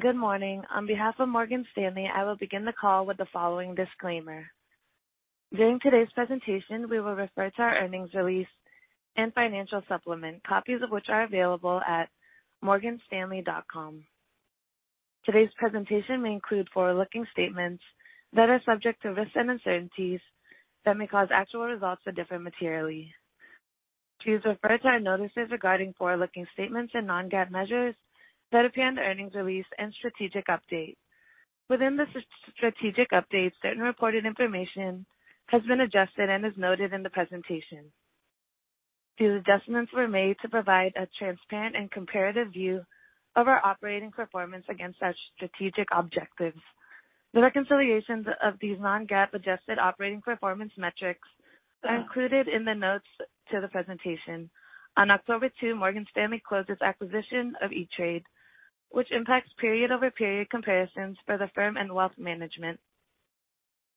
Good morning. On behalf of Morgan Stanley, I will begin the call with the following disclaimer. During today's presentation, we will refer to our earnings release and financial supplement, copies of which are available at morganstanley.com. Today's presentation may include forward-looking statements that are subject to risks and uncertainties that may cause actual results to differ materially. Please refer to our notices regarding forward-looking statements and non-GAAP measures that appear in the earnings release and strategic update. Within the strategic update, certain reported information has been adjusted and is noted in the presentation. These adjustments were made to provide a transparent and comparative view of our operating performance against our strategic objectives. The reconciliations of these non-GAAP adjusted operating performance metrics are included in the notes to the presentation. On October 2, Morgan Stanley closed its acquisition of E*TRADE, which impacts period-over-period comparisons for the firm and wealth management.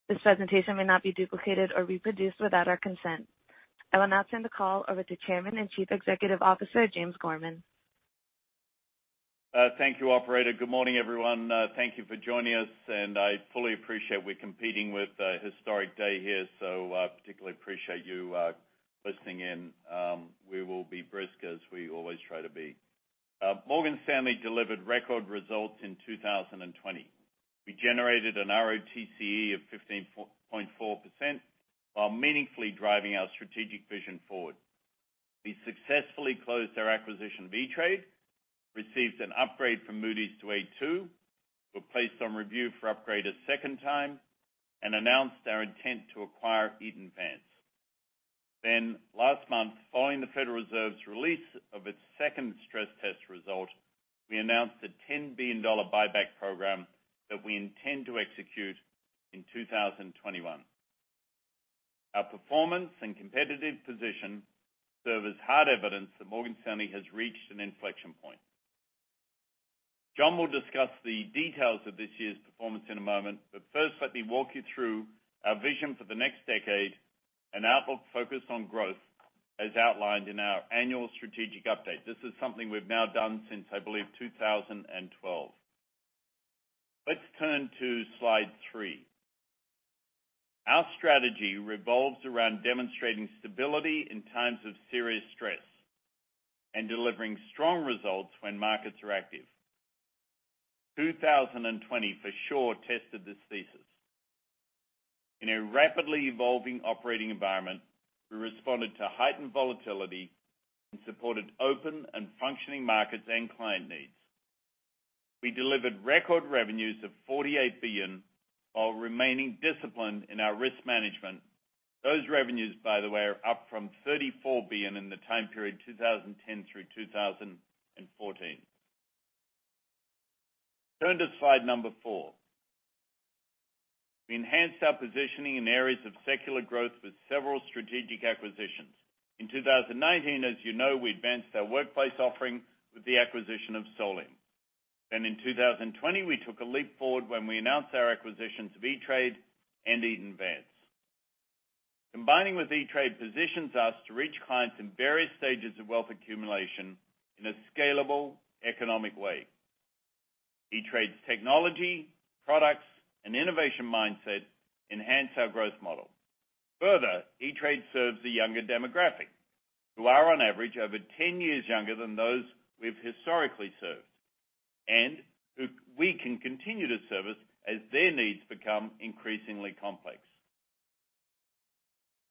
This presentation may not be duplicated or reproduced without our consent. I will now turn the call over to Chairman and Chief Executive Officer, James Gorman. Thank you, operator. Good morning, everyone. Thank you for joining us, and I fully appreciate we're competing with a historic day here, so particularly appreciate you listening in. We will be brisk as we always try to be. Morgan Stanley delivered record results in 2020. We generated an ROTCE of 15.4% while meaningfully driving our strategic vision forward. We successfully closed our acquisition of E*TRADE, received an upgrade from Moody's to A2, were placed on review for upgrade a second time, and announced our intent to acquire Eaton Vance. Last month, following the Federal Reserve's release of its second stress test result, we announced a $10 billion buyback program that we intend to execute in 2021. Our performance and competitive position serve as hard evidence that Morgan Stanley has reached an inflection point. Jon will discuss the details of this year's performance in a moment, but first, let me walk you through our vision for the next decade and outlook focused on growth as outlined in our annual strategic update. This is something we've now done since, I believe, 2012. Let's turn to slide three. Our strategy revolves around demonstrating stability in times of serious stress and delivering strong results when markets are active. 2020 for sure tested this thesis. In a rapidly evolving operating environment, we responded to heightened volatility and supported open and functioning markets and client needs. We delivered record revenues of $48 billion, while remaining disciplined in our risk management. Those revenues, by the way, are up from $34 billion in the time period 2010 through 2014. Turn to slide number four. We enhanced our positioning in areas of secular growth with several strategic acquisitions. In 2019, as you know, we advanced our workplace offering with the acquisition of Solium. In 2020, we took a leap forward when we announced our acquisitions of E*TRADE and Eaton Vance. Combining with E*TRADE positions us to reach clients in various stages of wealth accumulation in a scalable economic way. E*TRADE's technology, products, and innovation mindset enhance our growth model. Further, E*TRADE serves a younger demographic who are, on average, over 10 years younger than those we've historically served and who we can continue to service as their needs become increasingly complex.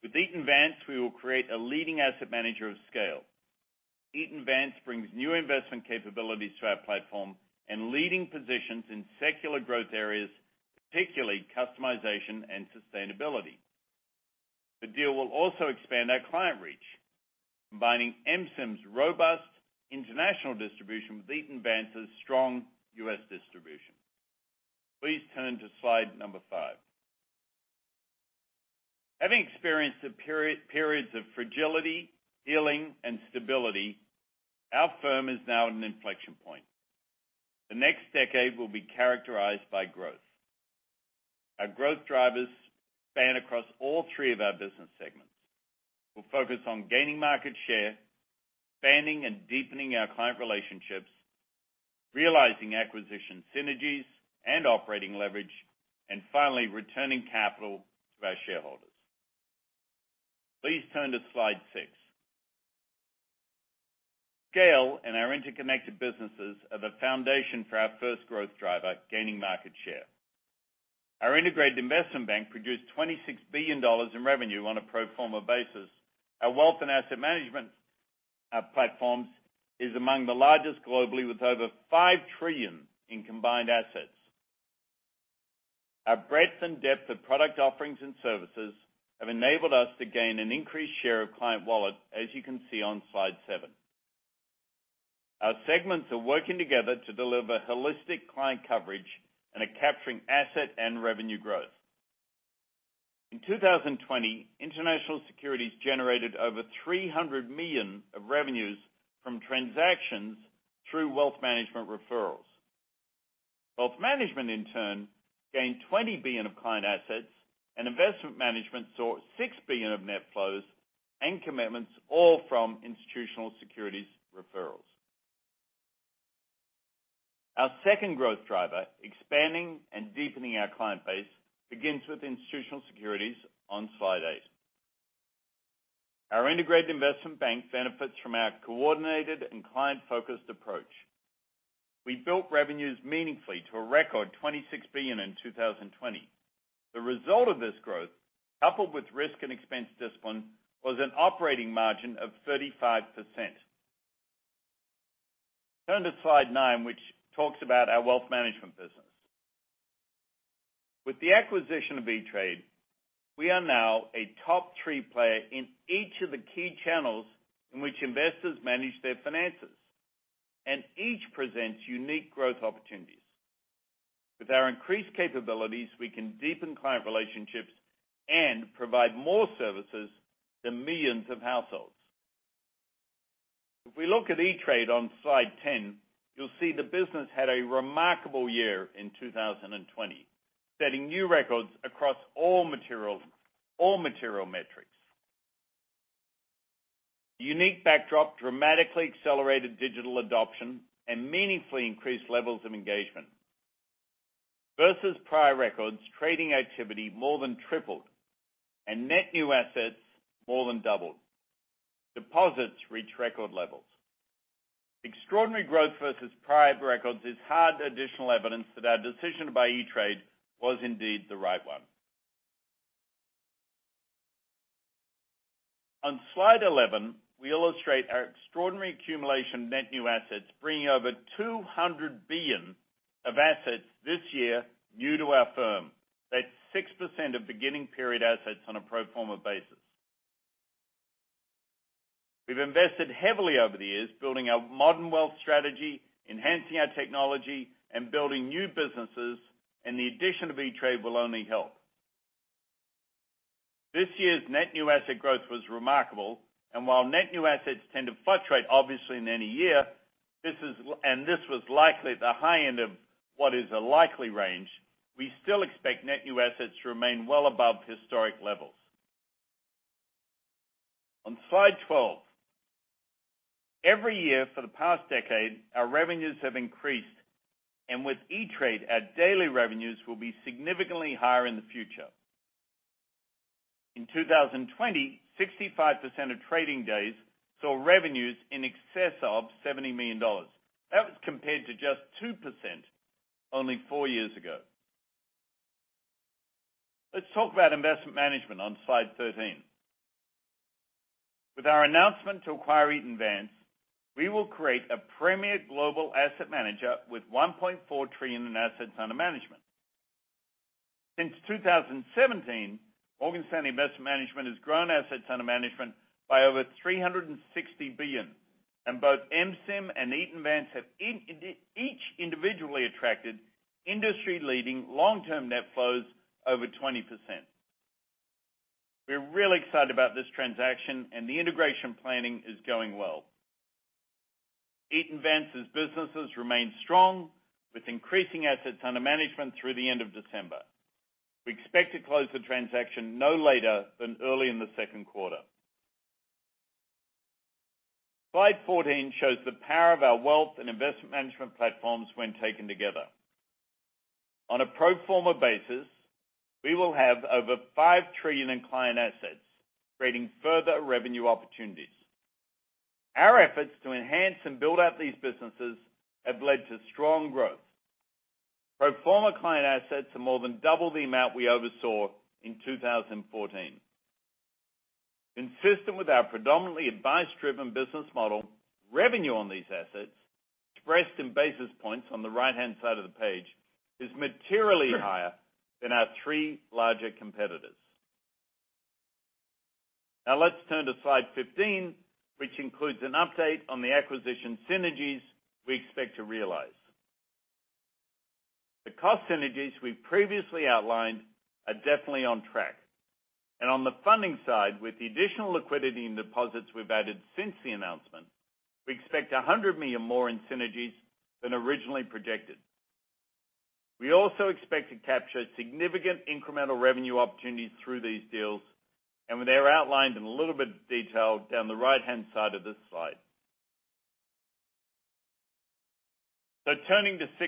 With Eaton Vance, we will create a leading asset manager of scale. Eaton Vance brings new investment capabilities to our platform and leading positions in secular growth areas, particularly customization and sustainability. The deal will also expand our client reach, combining MSIM's robust international distribution with Eaton Vance's strong U.S. distribution. Please turn to slide number five. Having experienced periods of fragility, healing, and stability, our firm is now at an inflection point. The next decade will be characterized by growth. Our growth drivers span across all three of our business segments. We'll focus on gaining market share, expanding and deepening our client relationships, realizing acquisition synergies and operating leverage, and finally, returning capital to our shareholders. Please turn to slide six. Scale and our interconnected businesses are the foundation for our first growth driver, gaining market share. Our integrated investment bank produced $26 billion in revenue on a pro forma basis. Our wealth and asset management platforms is among the largest globally, with over $5 trillion in combined assets. Our breadth and depth of product offerings and services have enabled us to gain an increased share of client wallet, as you can see on slide seven. Our segments are working together to deliver holistic client coverage and are capturing asset and revenue growth. In 2020, Institutional Securities generated over $300 million of revenues from transactions through Wealth Management referrals. Wealth Management, in turn, gained $20 billion of client assets, and Investment Management saw $6 billion of net flows and commitments, all from Institutional Securities referrals. Our second growth driver, expanding and deepening our client base, begins with Institutional Securities on slide eight. Our integrated investment bank benefits from our coordinated and client-focused approach. We built revenues meaningfully to a record $26 billion in 2020. The result of this growth, coupled with risk and expense discipline, was an operating margin of 35%. Turn to slide nine, which talks about our wealth management business. With the acquisition of E*TRADE, we are now a top three player in each of the key channels in which investors manage their finances. Each presents unique growth opportunities. With our increased capabilities, we can deepen client relationships and provide more services to millions of households. If we look at E*TRADE on slide 10, you'll see the business had a remarkable year in 2020, setting new records across all material metrics. Unique backdrop dramatically accelerated digital adoption and meaningfully increased levels of engagement. Versus prior records, trading activity more than tripled and net new assets more than doubled. Deposits reached record levels. Extraordinary growth versus prior records is hard additional evidence that our decision to buy E*TRADE was indeed the right one. On slide 11, we illustrate our extraordinary accumulation of net new assets, bringing over $200 billion of assets this year new to our firm. That's 6% of beginning period assets on a pro forma basis. We've invested heavily over the years building our modern wealth strategy, enhancing our technology and building new businesses, and the addition of E*TRADE will only help. This year's net new asset growth was remarkable, and while net new assets tend to fluctuate obviously in any year, and this was likely the high end of what is a likely range, we still expect net new assets to remain well above historic levels. On slide 12. Every year for the past decade, our revenues have increased, and with E*TRADE, our daily revenues will be significantly higher in the future. In 2020, 65% of trading days saw revenues in excess of $70 million. That was compared to just 2% only four years ago. Let's talk about investment management on slide 13. With our announcement to acquire Eaton Vance, we will create a premier global asset manager with $1.4 trillion in assets under management. Since 2017, Morgan Stanley Investment Management has grown assets under management by over $360 billion, and both MSIM and Eaton Vance have each individually attracted industry-leading long-term net flows over 20%. We're really excited about this transaction, and the integration planning is going well. Eaton Vance's businesses remain strong with increasing assets under management through the end of December. We expect to close the transaction no later than early in the second quarter. Slide 14 shows the power of our wealth and investment management platforms when taken together. On a pro forma basis, we will have over $5 trillion in client assets, creating further revenue opportunities. Our efforts to enhance and build out these businesses have led to strong growth. Pro forma client assets are more than double the amount we oversaw in 2014. Consistent with our predominantly advice-driven business model, revenue on these assets, expressed in basis points on the right-hand side of the page, is materially higher than our three larger competitors. Let's turn to slide 15, which includes an update on the acquisition synergies we expect to realize. The cost synergies we've previously outlined are definitely on track. On the funding side, with the additional liquidity in deposits we've added since the announcement, we expect $100 million more in synergies than originally projected. We also expect to capture significant incremental revenue opportunities through these deals, and they're outlined in a little bit of detail down the right-hand side of this slide. Turning to 16.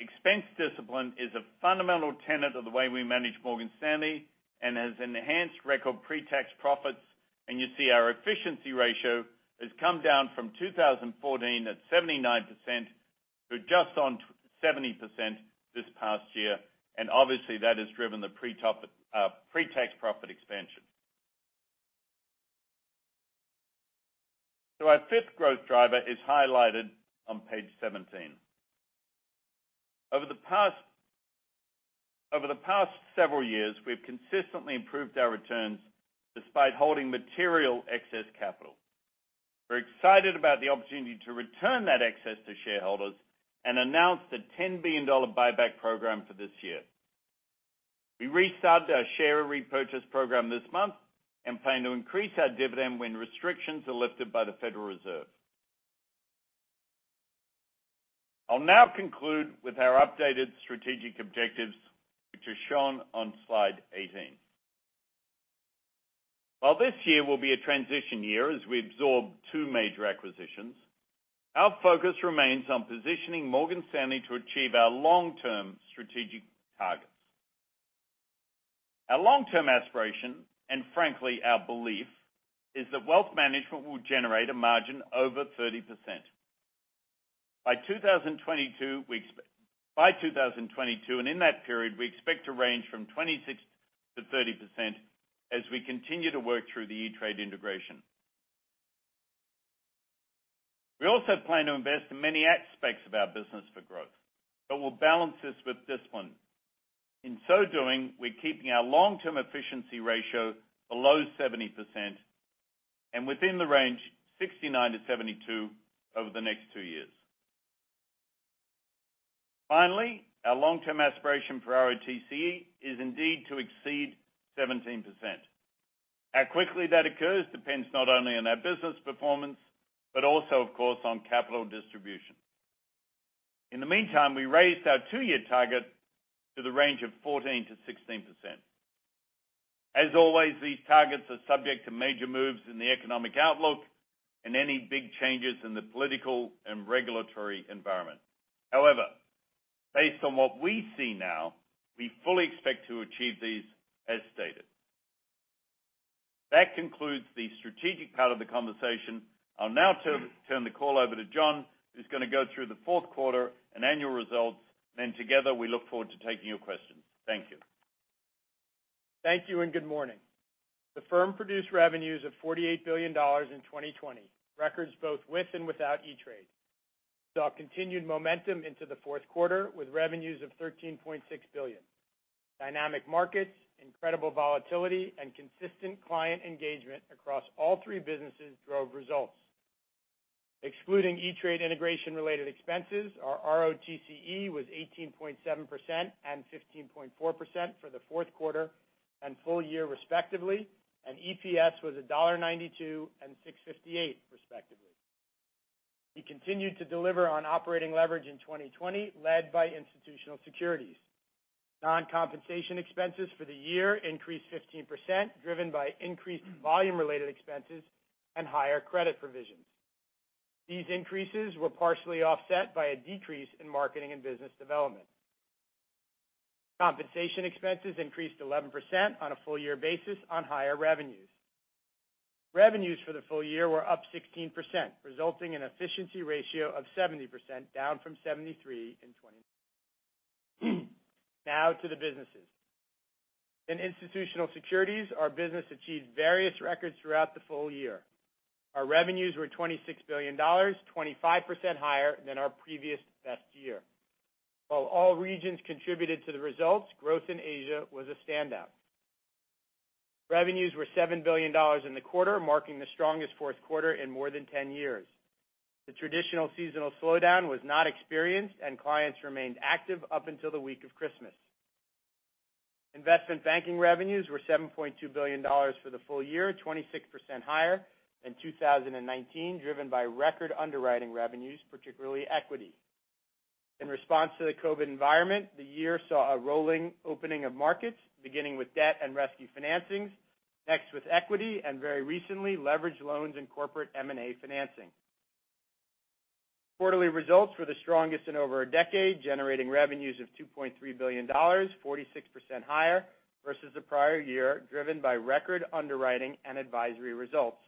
Expense discipline is a fundamental tenet of the way we manage Morgan Stanley and has enhanced record pre-tax profits. You see our efficiency ratio has come down from 2014 at 79% to just on 70% this past year. Obviously, that has driven the pre-tax profit expansion. Our fifth growth driver is highlighted on page 17. Over the past several years, we've consistently improved our returns despite holding material excess capital. We're excited about the opportunity to return that excess to shareholders and announce the $10 billion buyback program for this year. We restarted our share repurchase program this month and plan to increase our dividend when restrictions are lifted by the Federal Reserve. I'll now conclude with our updated strategic objectives, which are shown on slide 18. While this year will be a transition year as we absorb two major acquisitions, our focus remains on positioning Morgan Stanley to achieve our long-term strategic targets. Our long-term aspiration, and frankly, our belief, is that wealth management will generate a margin over 30%. By 2022, and in that period, we expect to range from 26%-30% as we continue to work through the E*TRADE integration. We also plan to invest in many aspects of our business for growth, but we'll balance this with discipline. In so doing, we're keeping our long-term efficiency ratio below 70% and within the range 69%-72% over the next two years. Finally, our long-term aspiration for ROTCE is indeed to exceed 17%. How quickly that occurs depends not only on our business performance, but also, of course, on capital distribution. In the meantime, we raised our two-year target to the range of 14%-16%. As always, these targets are subject to major moves in the economic outlook and any big changes in the political and regulatory environment. However, based on what we see now, we fully expect to achieve these as stated. That concludes the strategic part of the conversation. I'll now turn the call over to Jon, who's going to go through the fourth quarter and annual results, and then together, we look forward to taking your questions. Thank you. Thank you, and good morning. The firm produced revenues of $48 billion in 2020, records both with and without E*TRADE. Saw continued momentum into the fourth quarter with revenues of $13.6 billion. Dynamic markets, incredible volatility, and consistent client engagement across all three businesses drove results. Excluding E*TRADE integration related expenses, our ROTCE was 18.7% and 15.4% for the fourth quarter and full year respectively, and EPS was $1.92 and $6.58 respectively. We continued to deliver on operating leverage in 2020, led by institutional securities. Non-compensation expenses for the year increased 15%, driven by increased volume-related expenses and higher credit provisions. These increases were partially offset by a decrease in marketing and business development. Compensation expenses increased 11% on a full-year basis on higher revenues. Revenues for the full year were up 16%, resulting in efficiency ratio of 70%, down from 73% in 2020. Now to the businesses. In institutional securities, our business achieved various records throughout the full year. Our revenues were $26 billion, 25% higher than our previous best year. While all regions contributed to the results, growth in Asia was a standout. Revenues were $7 billion in the quarter, marking the strongest fourth quarter in more than 10 years. The traditional seasonal slowdown was not experienced, and clients remained active up until the week of Christmas. Investment banking revenues were $7.2 billion for the full year, 26% higher than 2019, driven by record underwriting revenues, particularly equity. In response to the COVID environment, the year saw a rolling opening of markets, beginning with debt and rescue financings, next with equity, and very recently, leveraged loans and corporate M&A financing. Quarterly results were the strongest in over a decade, generating revenues of $2.3 billion, 46% higher versus the prior year, driven by record underwriting and advisory results,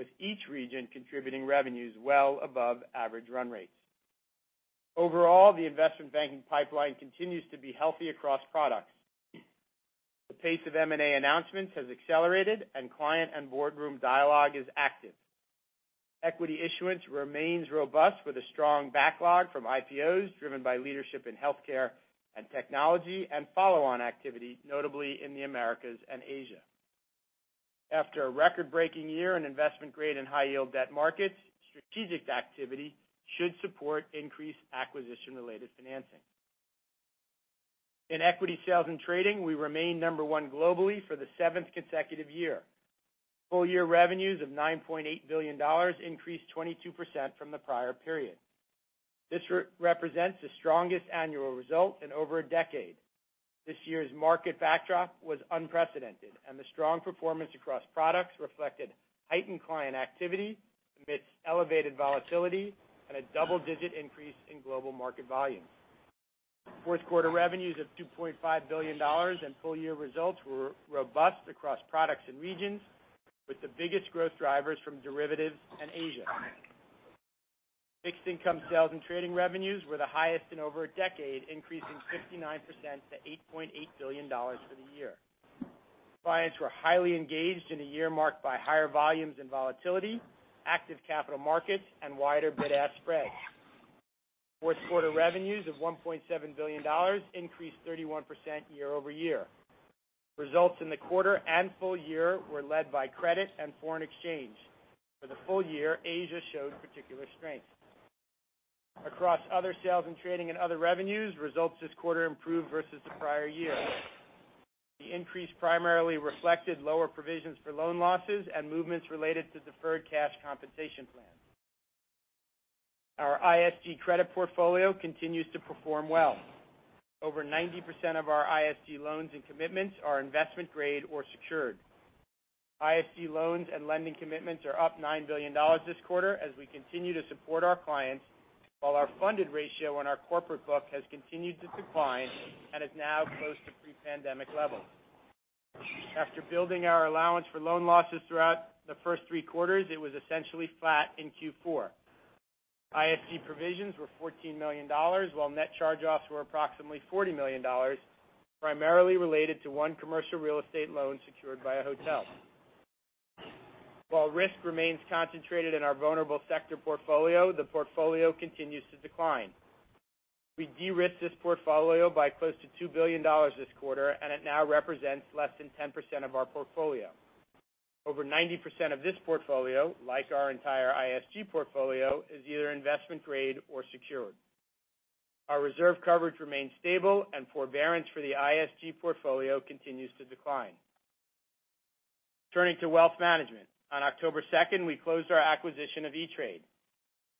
with each region contributing revenues well above average run rates. Overall, the investment banking pipeline continues to be healthy across products. The pace of M&A announcements has accelerated, and client and boardroom dialogue is active. Equity issuance remains robust with a strong backlog from IPOs driven by leadership in healthcare and technology and follow-on activity, notably in the Americas and Asia. After a record-breaking year in investment-grade and high-yield debt markets, strategic activity should support increased acquisition-related financing. In equity sales and trading, we remain number one globally for the seventh consecutive year. Full-year revenues of $9.8 billion increased 22% from the prior period. This represents the strongest annual result in over a decade. This year's market backdrop was unprecedented, and the strong performance across products reflected heightened client activity amidst elevated volatility and a double-digit increase in global market volumes. Fourth quarter revenues of $2.5 billion and full-year results were robust across products and regions, with the biggest growth drivers from derivatives and Asia. Fixed income sales and trading revenues were the highest in over a decade, increasing 59% to $8.8 billion for the year. Clients were highly engaged in a year marked by higher volumes and volatility, active capital markets, and wider bid-ask spreads. Fourth quarter revenues of $1.7 billion increased 31% year-over-year. Results in the quarter and full year were led by credit and foreign exchange. For the full year, Asia showed particular strength. Across other sales and trading and other revenues, results this quarter improved versus the prior year. The increase primarily reflected lower provisions for loan losses and movements related to deferred cash compensation plan. Our ISG credit portfolio continues to perform well. Over 90% of our ISG loans and commitments are investment grade or secured. ISG loans and lending commitments are up $9 billion this quarter as we continue to support our clients, while our funded ratio on our corporate book has continued to decline and is now close to pre-pandemic levels. After building our allowance for loan losses throughout the first three quarters, it was essentially flat in Q4. ISG provisions were $14 million, while net charge-offs were approximately $40 million, primarily related to one commercial real estate loan secured by a hotel. While risk remains concentrated in our vulnerable sector portfolio, the portfolio continues to decline. We de-risked this portfolio by close to $2 billion this quarter, and it now represents less than 10% of our portfolio. Over 90% of this portfolio, like our entire ISG portfolio, is either investment grade or secured. Our reserve coverage remains stable and forbearance for the ISG portfolio continues to decline. Turning to wealth management. On October 2nd, we closed our acquisition of E*TRADE.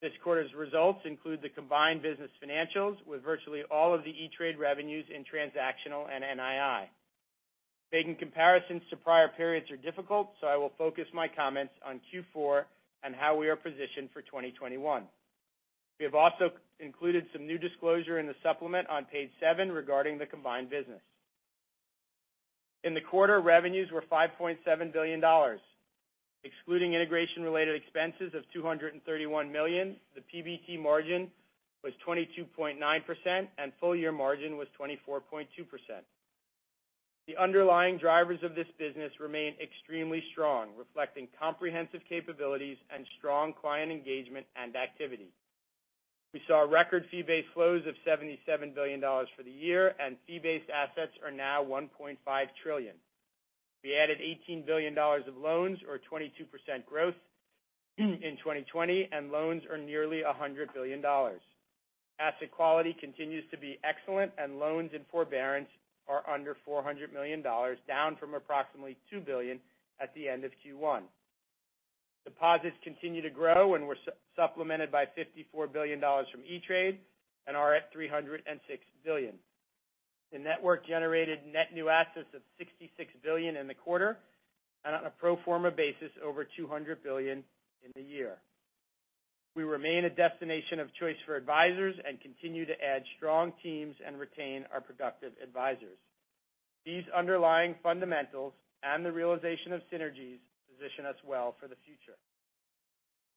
This quarter's results include the combined business financials with virtually all of the E*TRADE revenues in transactional and NII. Making comparisons to prior periods are difficult, so I will focus my comments on Q4 and how we are positioned for 2021. We have also included some new disclosure in the supplement on page seven regarding the combined business. In the quarter, revenues were $5.7 billion. Excluding integration related expenses of $231 million, the PBT margin was 22.9% and full year margin was 24.2%. The underlying drivers of this business remain extremely strong, reflecting comprehensive capabilities and strong client engagement and activity. We saw record fee-based flows of $77 billion for the year, and fee-based assets are now $1.5 trillion. We added $18 billion of loans, or 22% growth in 2020, and loans are nearly $100 billion. Asset quality continues to be excellent, and loans and forbearance are under $400 million, down from approximately $2 billion at the end of Q1. Deposits continue to grow and were supplemented by $54 billion from E*TRADE and are at $306 billion. The network generated net new assets of $66 billion in the quarter, and on a pro forma basis, over $200 billion in the year. We remain a destination of choice for advisors and continue to add strong teams and retain our productive advisors. These underlying fundamentals and the realization of synergies position us well for the future.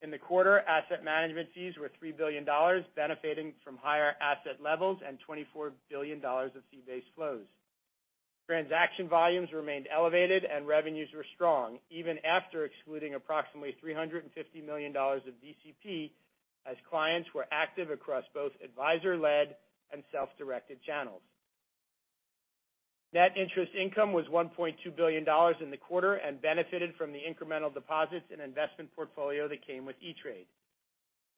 In the quarter, asset management fees were $3 billion, benefiting from higher asset levels and $24 billion of fee-based flows. Transaction volumes remained elevated and revenues were strong even after excluding approximately $350 million of DCP as clients were active across both advisor-led and self-directed channels. Net interest income was $1.2 billion in the quarter and benefited from the incremental deposits and investment portfolio that came with E*TRADE.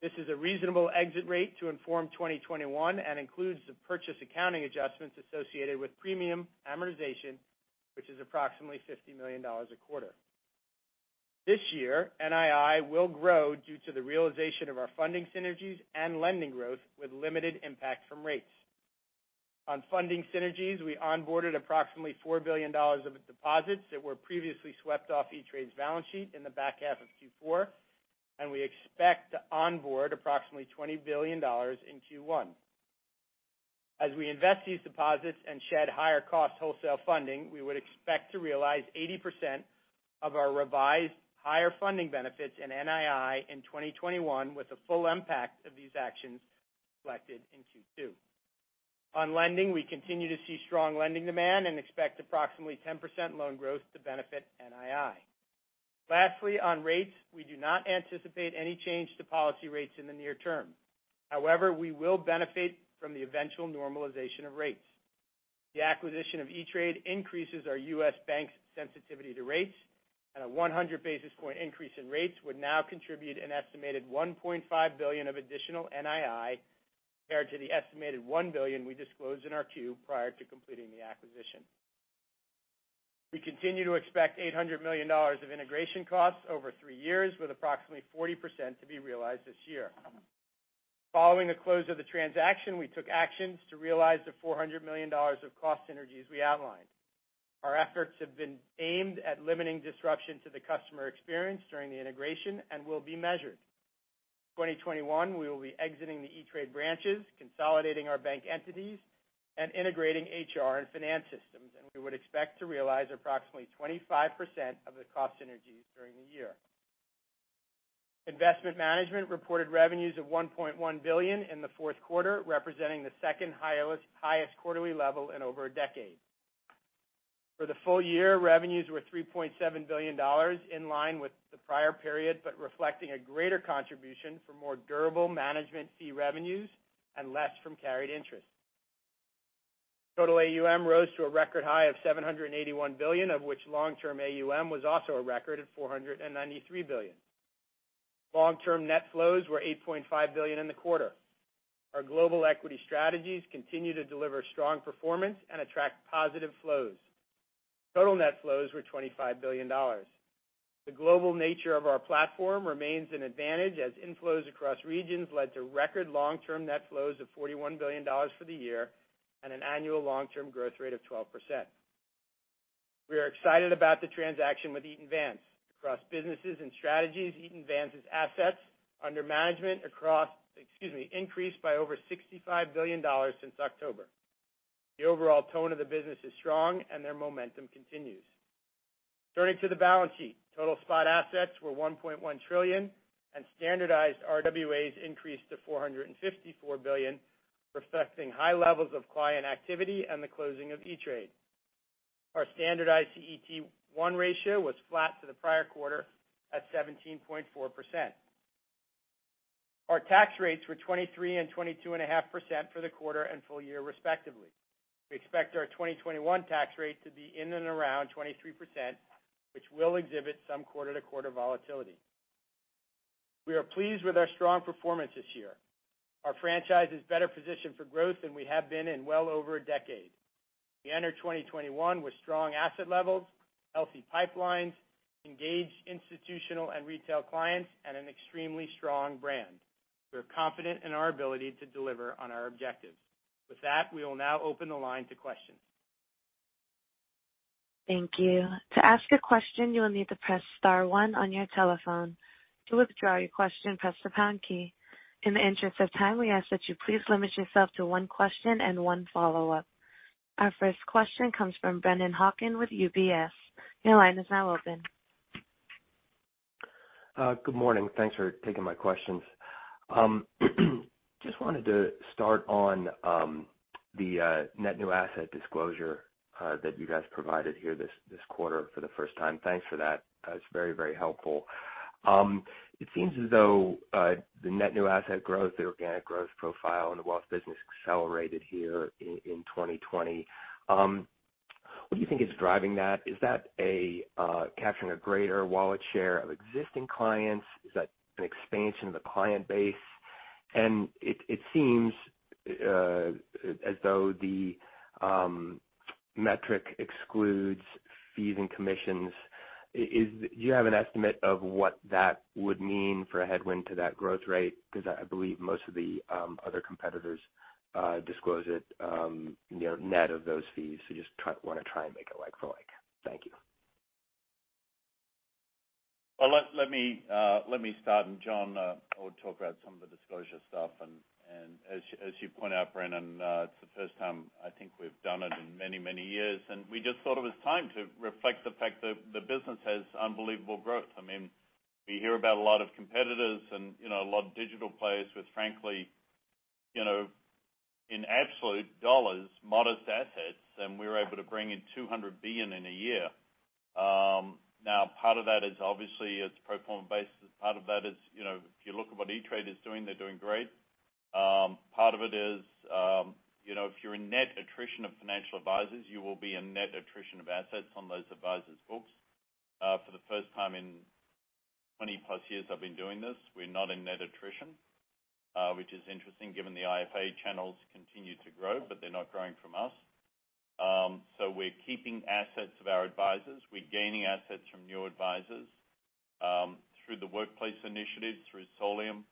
This is a reasonable exit rate to inform 2021 and includes the purchase accounting adjustments associated with premium amortization, which is approximately $50 million a quarter. This year, NII will grow due to the realization of our funding synergies and lending growth with limited impact from rates. On funding synergies, we onboarded approximately $4 billion of deposits that were previously swept off E*TRADE's balance sheet in the back half of Q4, and we expect to onboard approximately $20 billion in Q1. As we invest these deposits and shed higher cost wholesale funding, we would expect to realize 80% of our revised higher funding benefits in NII in 2021 with the full impact of these actions reflected in Q2. On lending, we continue to see strong lending demand and expect approximately 10% loan growth to benefit NII. Lastly, on rates, we do not anticipate any change to policy rates in the near term. We will benefit from the eventual normalization of rates. The acquisition of E*TRADE increases our U.S. Bank's sensitivity to rates, and a 100 basis point increase in rates would now contribute an estimated $1.5 billion of additional NII compared to the estimated $1 billion we disclosed in our Q prior to completing the acquisition. We continue to expect $800 million of integration costs over three years, with approximately 40% to be realized this year. Following the close of the transaction, we took actions to realize the $400 million of cost synergies we outlined. Our efforts have been aimed at limiting disruption to the customer experience during the integration and will be measured. 2021, we will be exiting the E*TRADE branches, consolidating our bank entities, and integrating HR and finance systems, and we would expect to realize approximately 25% of the cost synergies during the year. Investment Management reported revenues of $1.1 billion in the fourth quarter, representing the second highest quarterly level in over a decade. For the full year, revenues were $3.7 billion, in line with the prior period, but reflecting a greater contribution for more durable management fee revenues and less from carried interest. Total AUM rose to a record high of $781 billion, of which long-term AUM was also a record at $493 billion. Long-term net flows were $8.5 billion in the quarter. Our global equity strategies continue to deliver strong performance and attract positive flows. Total net flows were $25 billion. The global nature of our platform remains an advantage, as inflows across regions led to record long-term net flows of $41 billion for the year and an annual long-term growth rate of 12%. We are excited about the transaction with Eaton Vance. Across businesses and strategies, Eaton Vance's assets under management increased by over $65 billion since October. The overall tone of the business is strong, and their momentum continues. Turning to the balance sheet. Total spot assets were $1.1 trillion, and standardized RWAs increased to $454 billion, reflecting high levels of client activity and the closing of E*TRADE. Our standardized CET1 ratio was flat to the prior quarter at 17.4%. Our tax rates were 23% and 22.5% for the quarter and full year respectively. We expect our 2021 tax rate to be in and around 23%, which will exhibit some quarter-to-quarter volatility. We are pleased with our strong performance this year. Our franchise is better positioned for growth than we have been in well over a decade. We enter 2021 with strong asset levels, healthy pipelines, engaged institutional and retail clients, and an extremely strong brand. We're confident in our ability to deliver on our objectives. With that, we will now open the line to questions. Thank you. To ask a question, you'll need to press star one on your telephone. To withdraw your question, press the pound key. In the interest of time, we ask that you please limit yourself to one question and one follow-up. Our first question comes from Brennan Hawken with UBS. Your line is now open. Good morning. Thanks for taking my questions. Just wanted to start on the net new asset disclosure that you guys provided here this quarter for the first time. Thanks for that. It's very helpful. It seems as though the net new asset growth, the organic growth profile, and the wealth business accelerated here in 2020. What do you think is driving that? Is that capturing a greater wallet share of existing clients? Is that an expansion of the client base? It seems as though the metric excludes fees and commissions. Do you have an estimate of what that would mean for a headwind to that growth rate? Because I believe most of the other competitors disclose it net of those fees. Just want to try and make it like for like. Thank you. Well, let me start, Jon will talk about some of the disclosure stuff. As you point out, Brennan, it's the first time I think we've done it in many years. We just thought it was time to reflect the fact that the business has unbelievable growth. We hear about a lot of competitors and a lot of digital players with, frankly, in absolute dollars, modest assets, and we were able to bring in $200 billion in a year. Part of that is obviously it's pro forma basis. Part of that is, if you look at what E*TRADE is doing, they're doing great. Part of it is, if you're a net attrition of financial advisors, you will be a net attrition of assets on those advisors' books. For the first time in 20+ years I've been doing this, we're not in net attrition, which is interesting given the IFA channels continue to grow, they're not growing from us. We're keeping assets of our advisors. We're gaining assets from new advisors through the workplace initiatives, through Solium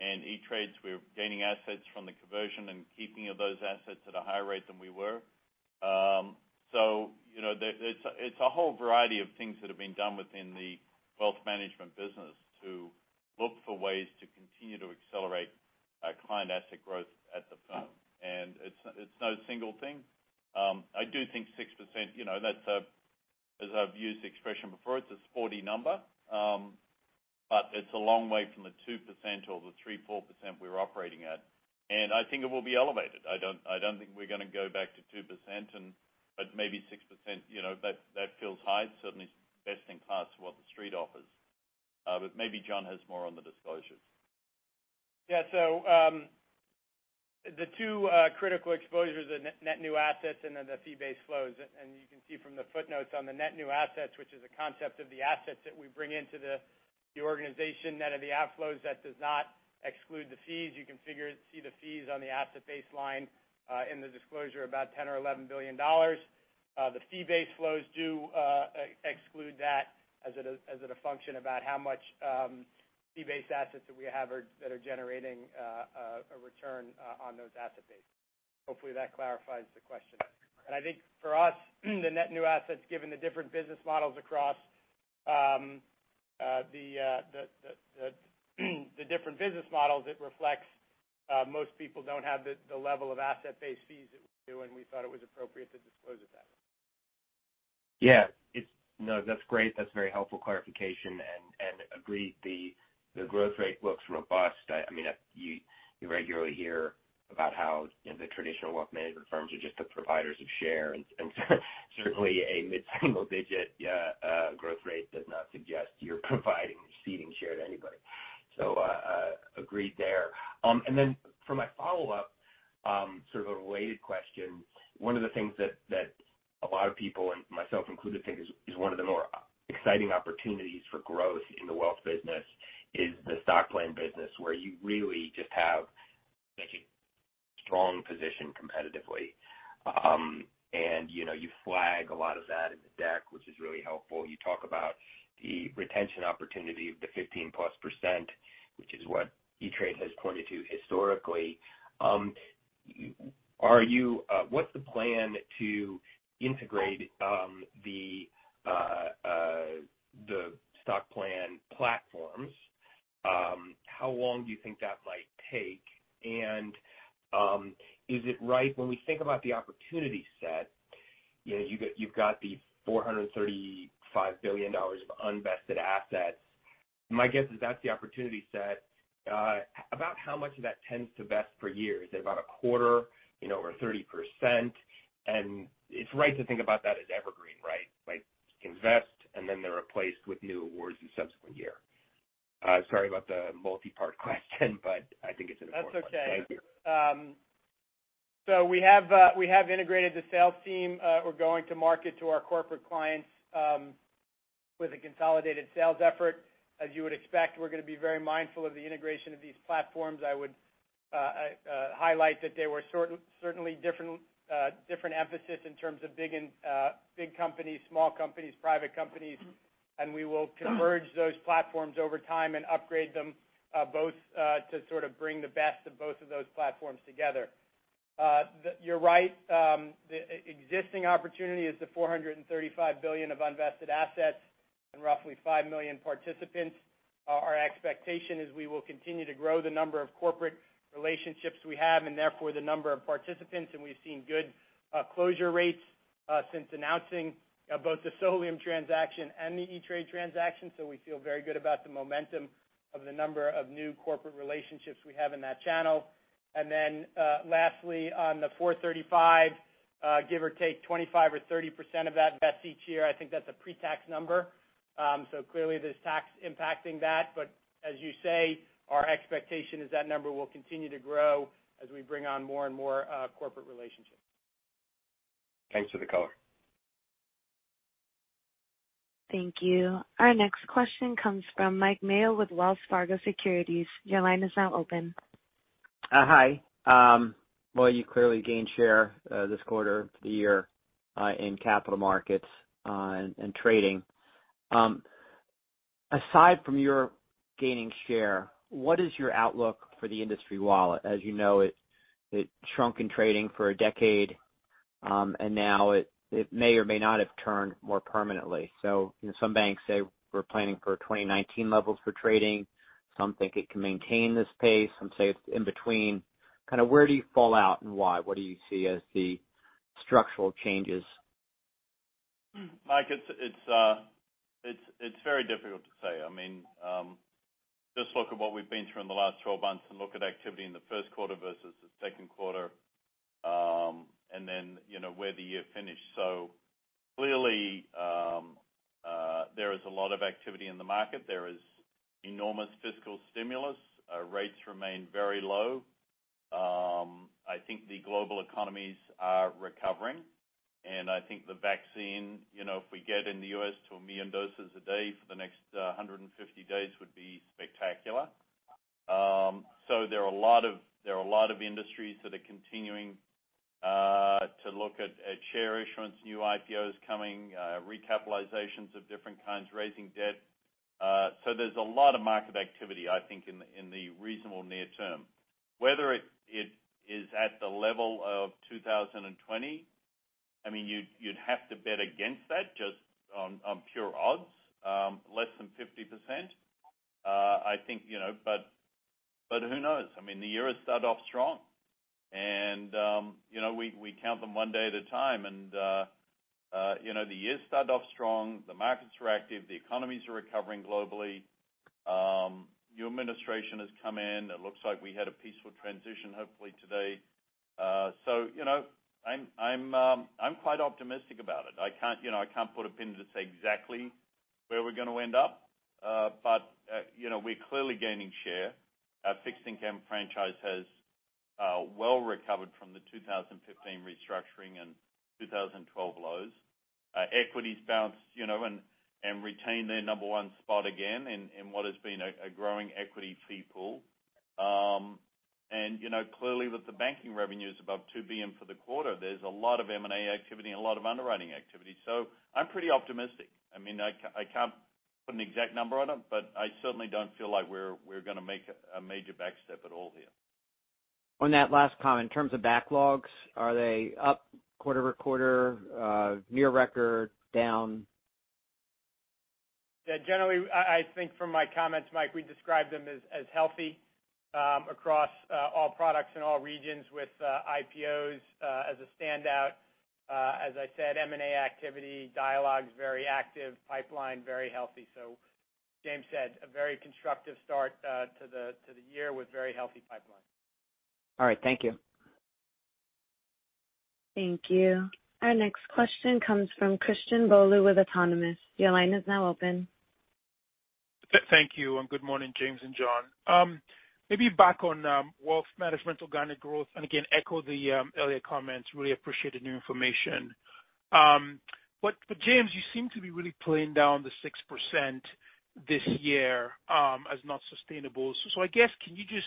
and E*TRADE. We're gaining assets from the conversion and keeping of those assets at a higher rate than we were. It's a whole variety of things that have been done within the wealth management business to look for ways to continue to accelerate client asset growth at the firm. It's no single thing. I do think 6%, as I've used the expression before, it's a sporty number. It's a long way from the 2% or the 3%, 4% we're operating at. I think it will be elevated. I don't think we're going to go back to 2%, but maybe 6%, that feels high. It's certainly best in class to what the Street offers. Maybe Jon has more on the disclosures. Yeah. The two critical exposures are net new assets and then the fee-based flows. You can see from the footnotes on the net new assets, which is a concept of the assets that we bring into the organization, net of the outflows, that does not exclude the fees. You can see the fees on the asset baseline in the disclosure, about $10 billion or $11 billion. The fee-based flows do exclude that as at a function about how much fee-based assets that we have that are generating a return on those asset bases. Hopefully, that clarifies the question. I think for us, the net new assets, given the different business models across the different business models, it reflects most people don't have the level of asset-based fees that we do, and we thought it was appropriate to disclose it that way. Yeah. That's great. That's a very helpful clarification. Agreed, the growth rate looks robust. You regularly hear about how the traditional wealth management firms are just the providers of share. Certainly, a mid-single-digit growth rate does not suggest you are providing or ceding share to anybody. Agreed there. Then for my follow-up. Sort of a related question. One of the things that a lot of people, and myself included, think is one of the more exciting opportunities for growth in the wealth business is the stock plan business, where you really just have a strong position competitively. You flag a lot of that in the deck, which is really helpful. You talk about the retention opportunity of the 15%+, which is what E*TRADE has pointed to historically. What's the plan to integrate the stock plan platforms? How long do you think that might take? Is it right when we think about the opportunity set, you've got the $435 billion of unvested assets. My guess is that's the opportunity set. About how much of that tends to vest per year? Is it about a quarter? Over 30%? It's right to think about that as evergreen, right? Like invest, and then they're replaced with new awards in subsequent year. Sorry about the multi-part question, but I think it's an important one. That's okay. We have integrated the sales team. We're going to market to our corporate clients with a consolidated sales effort. As you would expect, we're going to be very mindful of the integration of these platforms. I would highlight that there were certainly different emphasis in terms of big companies, small companies, private companies. We will converge those platforms over time and upgrade them both to sort of bring the best of both of those platforms together. You're right. The existing opportunity is the $435 billion of unvested assets and roughly 5 million participants. Our expectation is we will continue to grow the number of corporate relationships we have, and therefore the number of participants. We've seen good closure rates since announcing both the Solium transaction and the E*TRADE transaction. We feel very good about the momentum of the number of new corporate relationships we have in that channel. Lastly, on the $435 billion, give or take 25% or 30% of that vests each year. I think that's a pre-tax number. Clearly there's tax impacting that. As you say, our expectation is that number will continue to grow as we bring on more and more corporate relationships. Thanks for the color. Thank you. Our next question comes from Mike Mayo with Wells Fargo Securities. Your line is now open. Hi. Well, you clearly gained share this quarter for the year in capital markets and trading. Aside from your gaining share, what is your outlook for the industry wallet? As you know, it shrunk in trading for a decade. Now it may or may not have turned more permanently. Some banks say we're planning for 2019 levels for trading. Some think it can maintain this pace. Some say it's in between. Kind of where do you fall out and why? What do you see as the structural changes? Mike, it's very difficult to say. Just look at what we've been through in the last 12 months, look at activity in the first quarter versus the second quarter. Where the year finished. Clearly, there is a lot of activity in the market. There is enormous fiscal stimulus. Rates remain very low. I think the global economies are recovering, and I think the vaccine, if we get in the U.S. to 1 million doses a day for the next 150 days, would be spectacular. There are a lot of industries that are continuing to look at share issuance, new IPOs coming, recapitalizations of different kinds, raising debt. There's a lot of market activity, I think, in the reasonable near term. Whether it is at the level of 2020, you'd have to bet against that just on pure odds, less than 50%. Who knows? The year has started off strong. We count them one day at a time. The year started off strong. The markets were active. The economies are recovering globally. New administration has come in. It looks like we had a peaceful transition, hopefully today. I'm quite optimistic about it. I can't put a pin to say exactly where we're going to end up. We're clearly gaining share. Our fixed income franchise has well recovered from the 2015 restructuring and 2012 lows. Equities bounced, and retained their number one spot again in what has been a growing equity fee pool. Clearly with the banking revenues above $2 billion for the quarter, there's a lot of M&A activity and a lot of underwriting activity. I'm pretty optimistic. I can't put an exact number on it, but I certainly don't feel like we're going to make a major back step at all here. On that last comment, in terms of backlogs, are they up quarter-over-quarter, near record, down? Yeah. Generally, I think from my comments, Mike, we describe them as healthy across all products in all regions with IPOs as a standout. As I said, M&A activity dialogue's very active, pipeline very healthy. James said, a very constructive start to the year with very healthy pipeline. All right. Thank you. Thank you. Our next question comes from Christian Bolu with Autonomous. Your line is now open. Thank you, and good morning, James and Jon. Maybe back on wealth management organic growth, and again, echo the earlier comments. Really appreciated the new information. James, you seem to be really playing down the 6% this year as not sustainable. I guess, can you just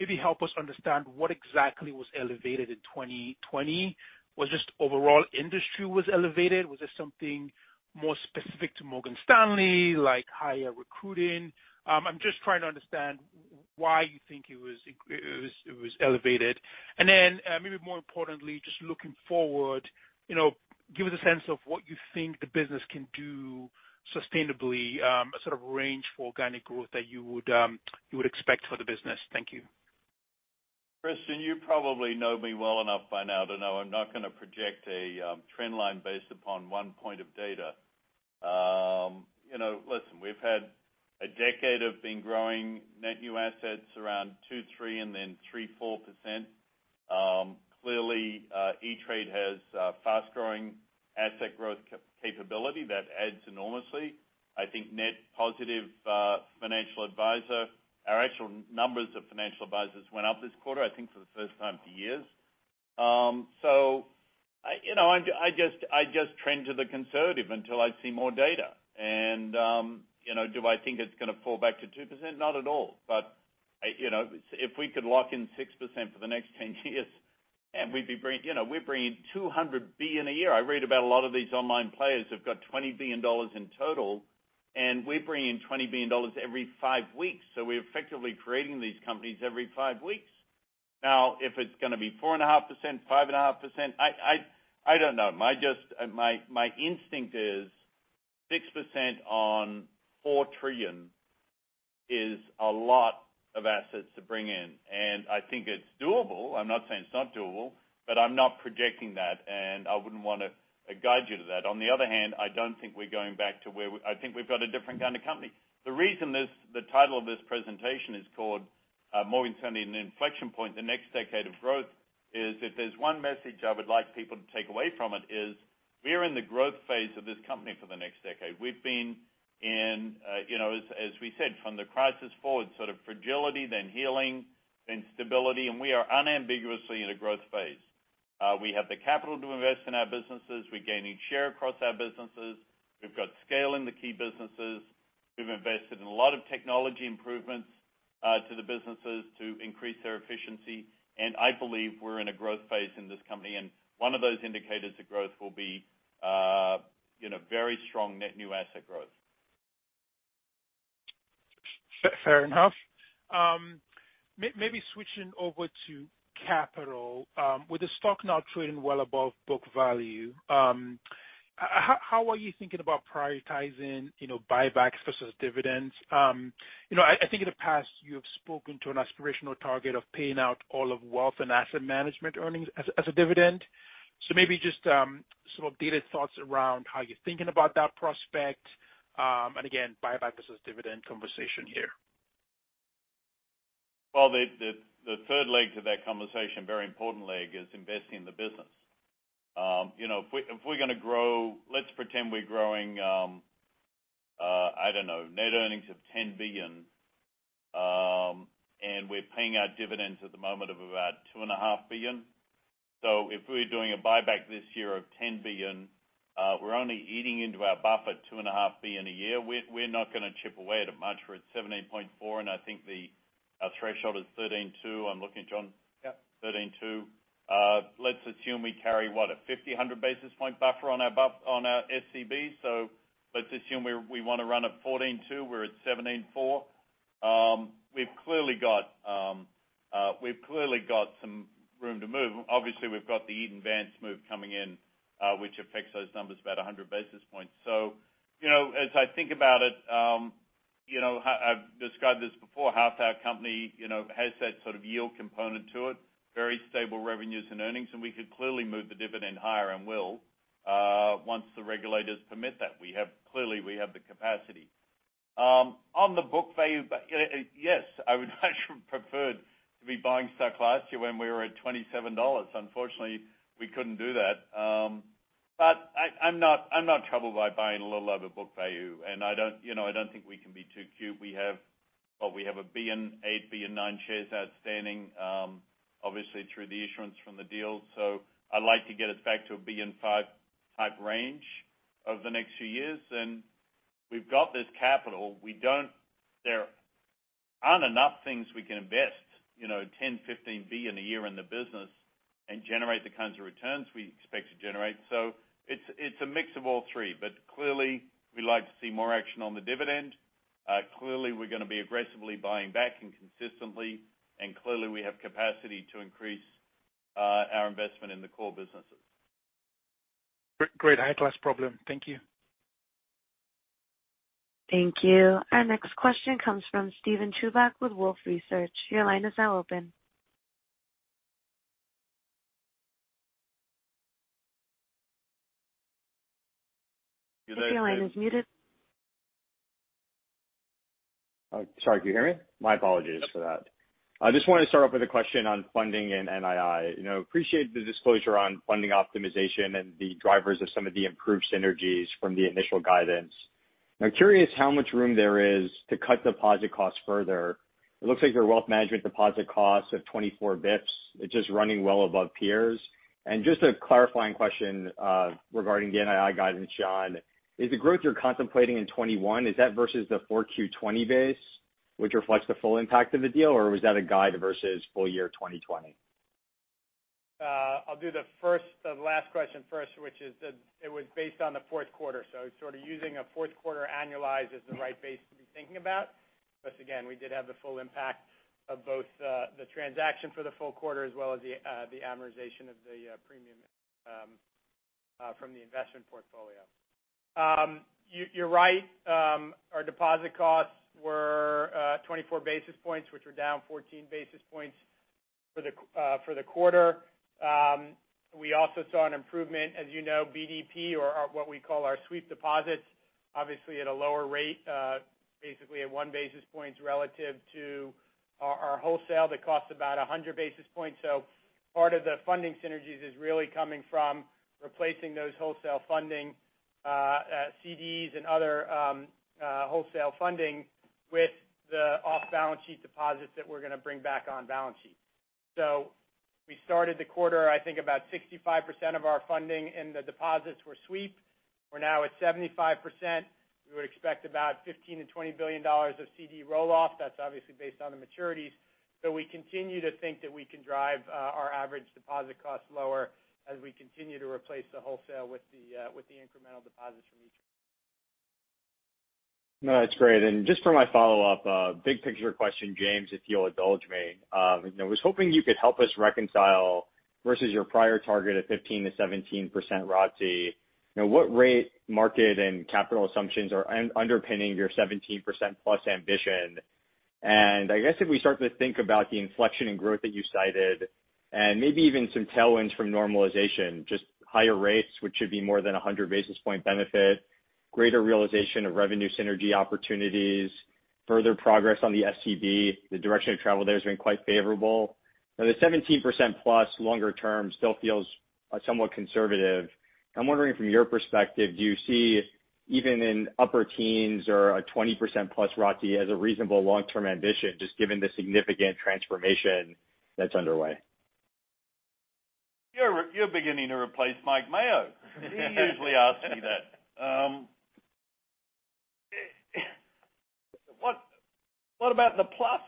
maybe help us understand what exactly was elevated in 2020? Was just overall industry was elevated? Was it something more specific to Morgan Stanley, like higher recruiting? I'm just trying to understand why you think it was elevated. Then, maybe more importantly, just looking forward, give us a sense of what you think the business can do sustainably, a sort of range for organic growth that you would expect for the business. Thank you. Christian, you probably know me well enough by now to know I'm not going to project a trend line based upon one point of data. We've had a decade of growing net new assets around 2%, 3%, and then 3%, 4%. Clearly, E*TRADE has a fast-growing asset growth capability that adds enormously. I think net positive financial advisor. Our actual numbers of financial advisors went up this quarter, I think for the first time for years. I just trend to the conservative until I see more data. Do I think it's going to fall back to 2%? Not at all. If we could lock in 6% for the next 10 years and we're bringing $200 billion in a year. I read about a lot of these online players have got $20 billion in total, and we bring in $20 billion every five weeks. We're effectively creating these companies every five weeks. If it's going to be 4.5%, 5.5%, I don't know. My instinct is 6% on $4 trillion is a lot of assets to bring in, and I think it's doable. I'm not saying it's not doable, but I'm not projecting that, and I wouldn't want to guide you to that. On the other hand, I don't think we're going back to where I think we've got a different kind of company. The reason the title of this presentation is called Morgan Stanley: An Inflection Point, The Next Decade of Growth is, if there's one message I would like people to take away from it is we're in the growth phase of this company for the next decade. We've been in, as we said, from the crisis forward, sort of fragility, then healing, then stability, and we are unambiguously in a growth phase. We have the capital to invest in our businesses. We're gaining share across our businesses. We've got scale in the key businesses. We've invested in a lot of technology improvements to the businesses to increase their efficiency. I believe we're in a growth phase in this company, and one of those indicators of growth will be very strong net new asset growth. Fair enough. Maybe switching over to capital. With the stock now trading well above book value, how are you thinking about prioritizing buybacks versus dividends? I think in the past, you have spoken to an aspirational target of paying out all of wealth and asset management earnings as a dividend. Maybe just some updated thoughts around how you're thinking about that prospect. Again, buyback versus dividend conversation here. The third leg to that conversation, very important leg, is investing in the business. If we're going to grow, let's pretend we're growing, I don't know, net earnings of $10 billion, and we're paying out dividends at the moment of about $2.5 billion. If we're doing a buyback this year of $10 billion, we're only eating into our buffer $2.5 billion a year. We're not going to chip away at it much. We're at 17.4%, and I think our threshold is 13.2%. I'm looking at Jon. Yep. 13.2%. Let's assume we carry, what? A 1,500 basis point buffer on our SCB. Let's assume we want to run at 14.2%. We're at 17.4%. We've clearly got some room to move. Obviously, we've got the Eaton Vance move coming in, which affects those numbers about 100 basis points. As I think about it, I've described this before, half our company has that sort of yield component to it. Very stable revenues and earnings, and we could clearly move the dividend higher and will, once the regulators permit that. Clearly, we have the capacity. On the book value, yes, I would much have preferred to be buying stock last year when we were at $27. Unfortunately, we couldn't do that. I'm not troubled by buying a little over book value, and I don't think we can be too cute. We have 1.89 billion shares outstanding, obviously through the issuance from the deal. I'd like to get us back to a $1.5 billion type range over the next few years. We've got this capital. There aren't enough things we can invest $10 billion, $15 billion a year in the business and generate the kinds of returns we expect to generate. It's a mix of all three. Clearly, we like to see more action on the dividend. Clearly, we're going to be aggressively buying back and consistently, and clearly, we have capacity to increase our investment in the core businesses. Great. High-class problem. Thank you. Thank you. Our next question comes from Steven Chubak with Wolfe Research. Oh, sorry. Can you hear me? My apologies for that. I just wanted to start off with a question on funding and NII. Appreciate the disclosure on funding optimization and the drivers of some of the improved synergies from the initial guidance. I'm curious how much room there is to cut deposit costs further. It looks like your wealth management deposit costs of 24 basis points. It's just running well above peers. Just a clarifying question regarding the NII guidance, Jon. Is the growth you're contemplating in 2021, is that versus the 4Q 2020 base, which reflects the full impact of the deal, or was that a guide versus full year 2020? I'll do the last question first, which is that it was based on the fourth quarter, sort of using a fourth quarter annualized as the right base to be thinking about. Again, we did have the full impact of both the transaction for the full quarter, as well as the amortization of the premium from the investment portfolio. You're right. Our deposit costs were 24 basis points, which were down 14 basis points for the quarter. We also saw an improvement, as you know, BDP or what we call our sweep deposits, obviously at a lower rate, basically at one basis point relative to our wholesale that costs about 100 basis points. Part of the funding synergies is really coming from replacing those wholesale funding, CDs, and other wholesale funding with the off-balance sheet deposits that we're going to bring back on balance sheet. We started the quarter, I think about 65% of our funding, and the deposits were sweep. We're now at 75%. We would expect about $15 billion-$20 billion of CD roll-off. That's obviously based on the maturities. We continue to think that we can drive our average deposit costs lower as we continue to replace the wholesale with the incremental deposits from each. No, that's great. Just for my follow-up, big picture question, James, if you'll indulge me. I was hoping you could help us reconcile versus your prior target of 15%-17% ROTCE. What rate market and capital assumptions are underpinning your 17%+ ambition? I guess if we start to think about the inflection in growth that you cited, and maybe even some tailwinds from normalization, just higher rates, which should be more than 100 basis point benefit, greater realization of revenue synergy opportunities, further progress on the SCB, the direction of travel there has been quite favorable. The 17%+ longer term still feels somewhat conservative. I'm wondering from your perspective, do you see even in upper teens or a 20%+ ROTCE as a reasonable long-term ambition, just given the significant transformation that's underway? You're beginning to replace Mike Mayo. He usually asks me that. What about the plus?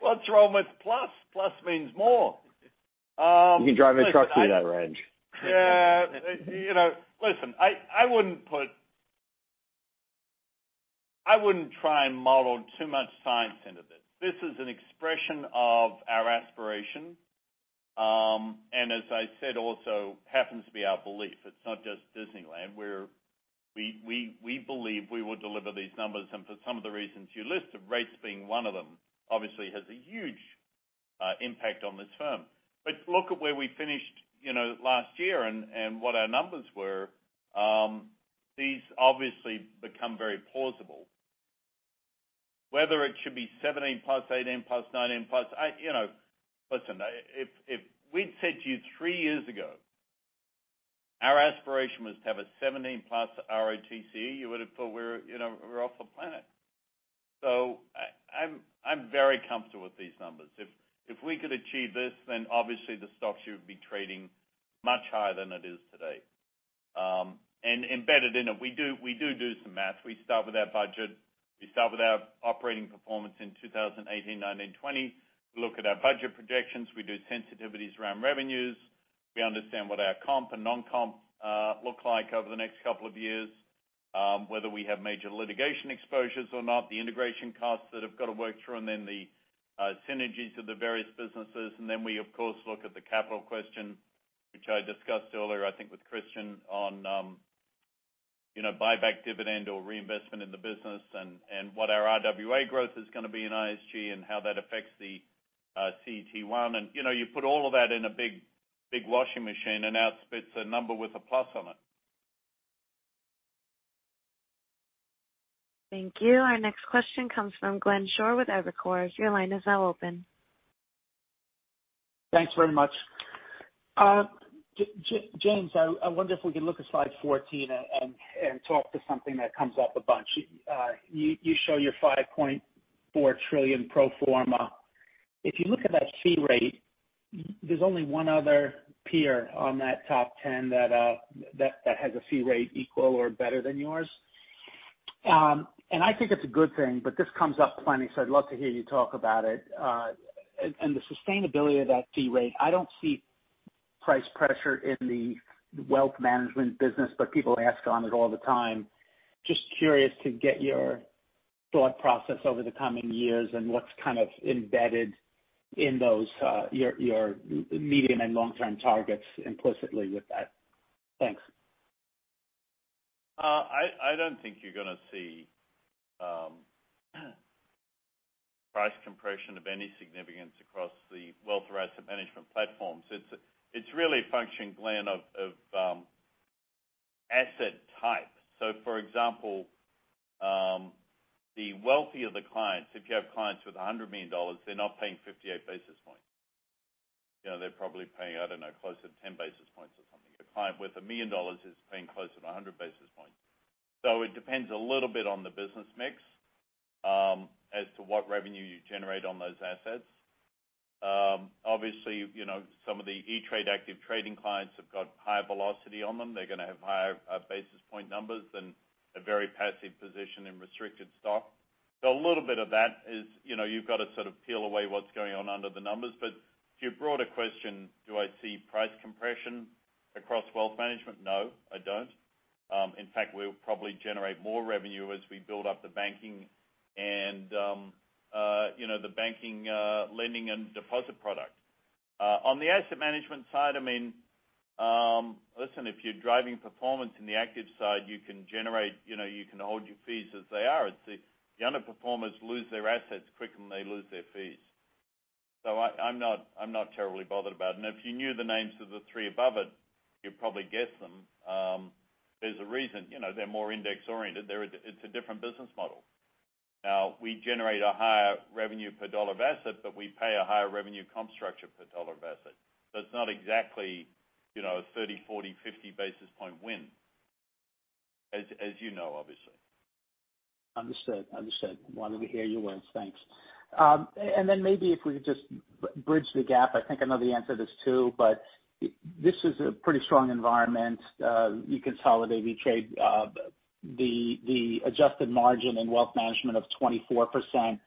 What's wrong with plus? Plus means more. You can drive a truck through that range. Yeah. Listen, I wouldn't try and model too much science into this. This is an expression of our aspiration. As I said, also happens to be our belief. It's not just Disneyland. We believe we will deliver these numbers, and for some of the reasons you list, rates being one of them obviously has a huge impact on this firm. Look at where we finished last year and what our numbers were. These obviously become very plausible. Whether it should be 17%+, 18%+, 19%+. Listen, if we'd said to you three years ago, our aspiration was to have a 17%+ ROTCE, you would have thought we were off the planet. I'm very comfortable with these numbers. If we could achieve this, obviously the stocks should be trading much higher than it is today. Embedded in it, we do do some math. We start with our budget. We start with our operating performance in 2018, 2019, 2020. We look at our budget projections. We do sensitivities around revenues. We understand what our comp and non-comp look like over the next couple of years, whether we have major litigation exposures or not, the integration costs that have got to work through, and then the synergies of the various businesses. Then we, of course, look at the capital question, which I discussed earlier, I think with Christian on buyback dividend or reinvestment in the business and what our RWA growth is going to be in ISG and how that affects the CET1. You put all of that in a big washing machine, and out spits a number with a plus on it. Thank you. Our next question comes from Glenn Schorr with Evercore. Your line is now open. Thanks very much. James, I wonder if we can look at slide 14 and talk to something that comes up a bunch. You show your $5.4 trillion pro forma. If you look at that fee rate, there's only one other peer on that top 10 that has a fee rate equal or better than yours. I think it's a good thing, but this comes up plenty, so I'd love to hear you talk about it. The sustainability of that fee rate, I don't see price pressure in the wealth management business. People ask on it all the time. Just curious to get your thought process over the coming years and what's kind of embedded in those, your medium and long-term targets implicitly with that. Thanks. I don't think you're going to see compression of any significance across the wealth or asset management platforms. It's really a function, Glenn, of asset type. For example, the wealthier the clients, if you have clients with $100 million, they're not paying 58 basis points. They're probably paying, I don't know, closer to 10 basis points or something. A client with $1 million is paying closer to 100 basis points. It depends a little bit on the business mix as to what revenue you generate on those assets. Obviously, some of the E*TRADE active trading clients have got higher velocity on them. They're going to have higher basis point numbers than a very passive position in restricted stock. A little bit of that is you've got to sort of peel away what's going on under the numbers. To your broader question, do I see price compression across wealth management? No, I don't. In fact, we'll probably generate more revenue as we build up the banking and the banking lending and deposit product. On the asset management side, listen, if you're driving performance in the active side, you can hold your fees as they are. It's the underperformers lose their assets quicker than they lose their fees. I'm not terribly bothered about it. If you knew the names of the three above it, you'd probably guess them. There's a reason. They're more index-oriented. It's a different business model. Now, we generate a higher revenue per dollar of asset, but we pay a higher revenue comp structure per dollar of asset. It's not exactly a 30 basis point, 40 basis point, 50 basis point win, as you know, obviously. Understood. Wonderful to hear your words. Thanks. Maybe if we could just bridge the gap. I think I know the answer to this, too, but this is a pretty strong environment. You consolidate, E*TRADE the adjusted margin and wealth management of 24%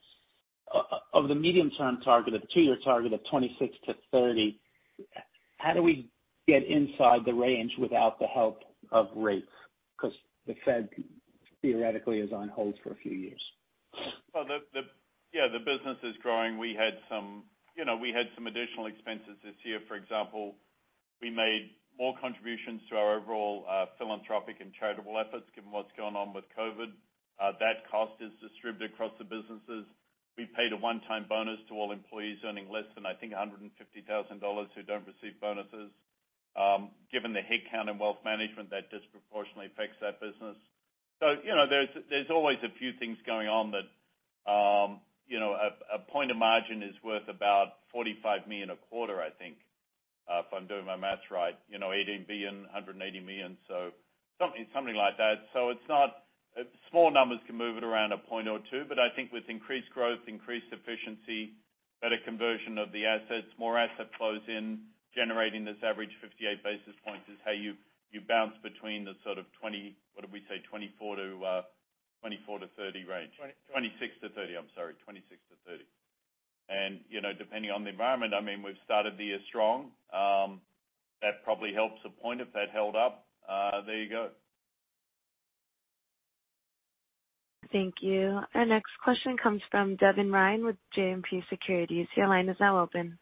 of the medium-term target of two-year target of 26%-30%. How do we get inside the range without the help of rates? The Federal Reserve theoretically is on hold for a few years. Yeah. The business is growing. We had some additional expenses this year. For example, we made more contributions to our overall philanthropic and charitable efforts, given what's going on with COVID. That cost is distributed across the businesses. We paid a one-time bonus to all employees earning less than, I think, $150,000 who don't receive bonuses. Given the headcount in wealth management, that disproportionately affects that business. There's always a few things going on that a point of margin is worth about $45 million a quarter, I think, if I'm doing my maths right. $18 billion, $180 million, something like that. Small numbers can move it around a point or two. I think with increased growth, increased efficiency, better conversion of the assets, more asset flows in, generating this average 58 basis points is how you bounce between the sort of 20%, what did we say, 24%-30% range. 26%. 26%-30%. I'm sorry, 26%-30%. Depending on the environment, we've started the year strong. That probably helps a point if that held up. There you go. Thank you. Our next question comes from Devin Ryan with JMP Securities. Your line is now open.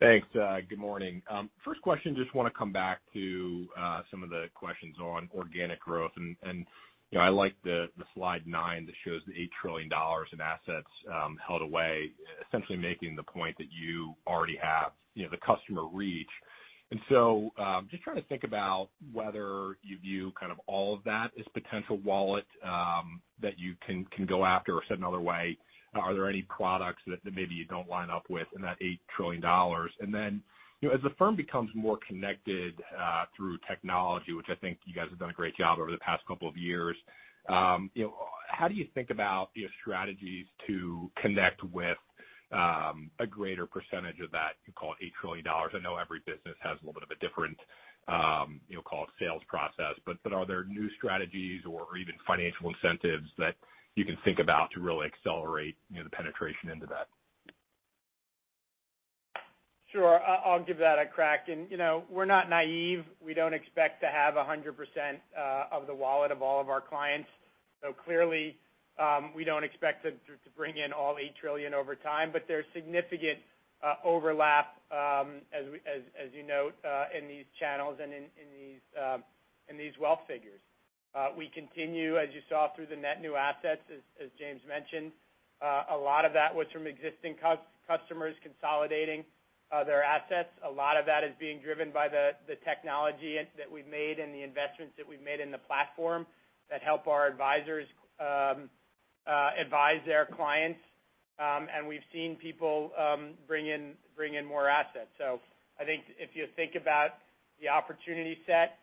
Thanks. Good morning. First question, just want to come back to some of the questions on organic growth. I like the slide nine that shows the $8 trillion in assets held away, essentially making the point that you already have the customer reach. Just trying to think about whether you view kind of all of that as potential wallet that you can go after or set another way. Are there any products that maybe you don't line up with in that $8 trillion? Then, as the firm becomes more connected through technology, which I think you guys have done a great job over the past couple of years, how do you think about your strategies to connect with a greater percentage of that, you call it $8 trillion? I know every business has a little bit of a different call it sales process, but are there new strategies or even financial incentives that you can think about to really accelerate the penetration into that? Sure. I'll give that a crack. We're not naive. We don't expect to have 100% of the wallet of all of our clients. Clearly, we don't expect to bring in all $8 trillion over time. There's significant overlap as you note in these channels and in these wealth figures. We continue, as you saw through the net new assets, as James mentioned, a lot of that was from existing customers consolidating their assets. A lot of that is being driven by the technology that we've made and the investments that we've made in the platform that help our advisors advise their clients. We've seen people bring in more assets. I think if you think about the opportunity set,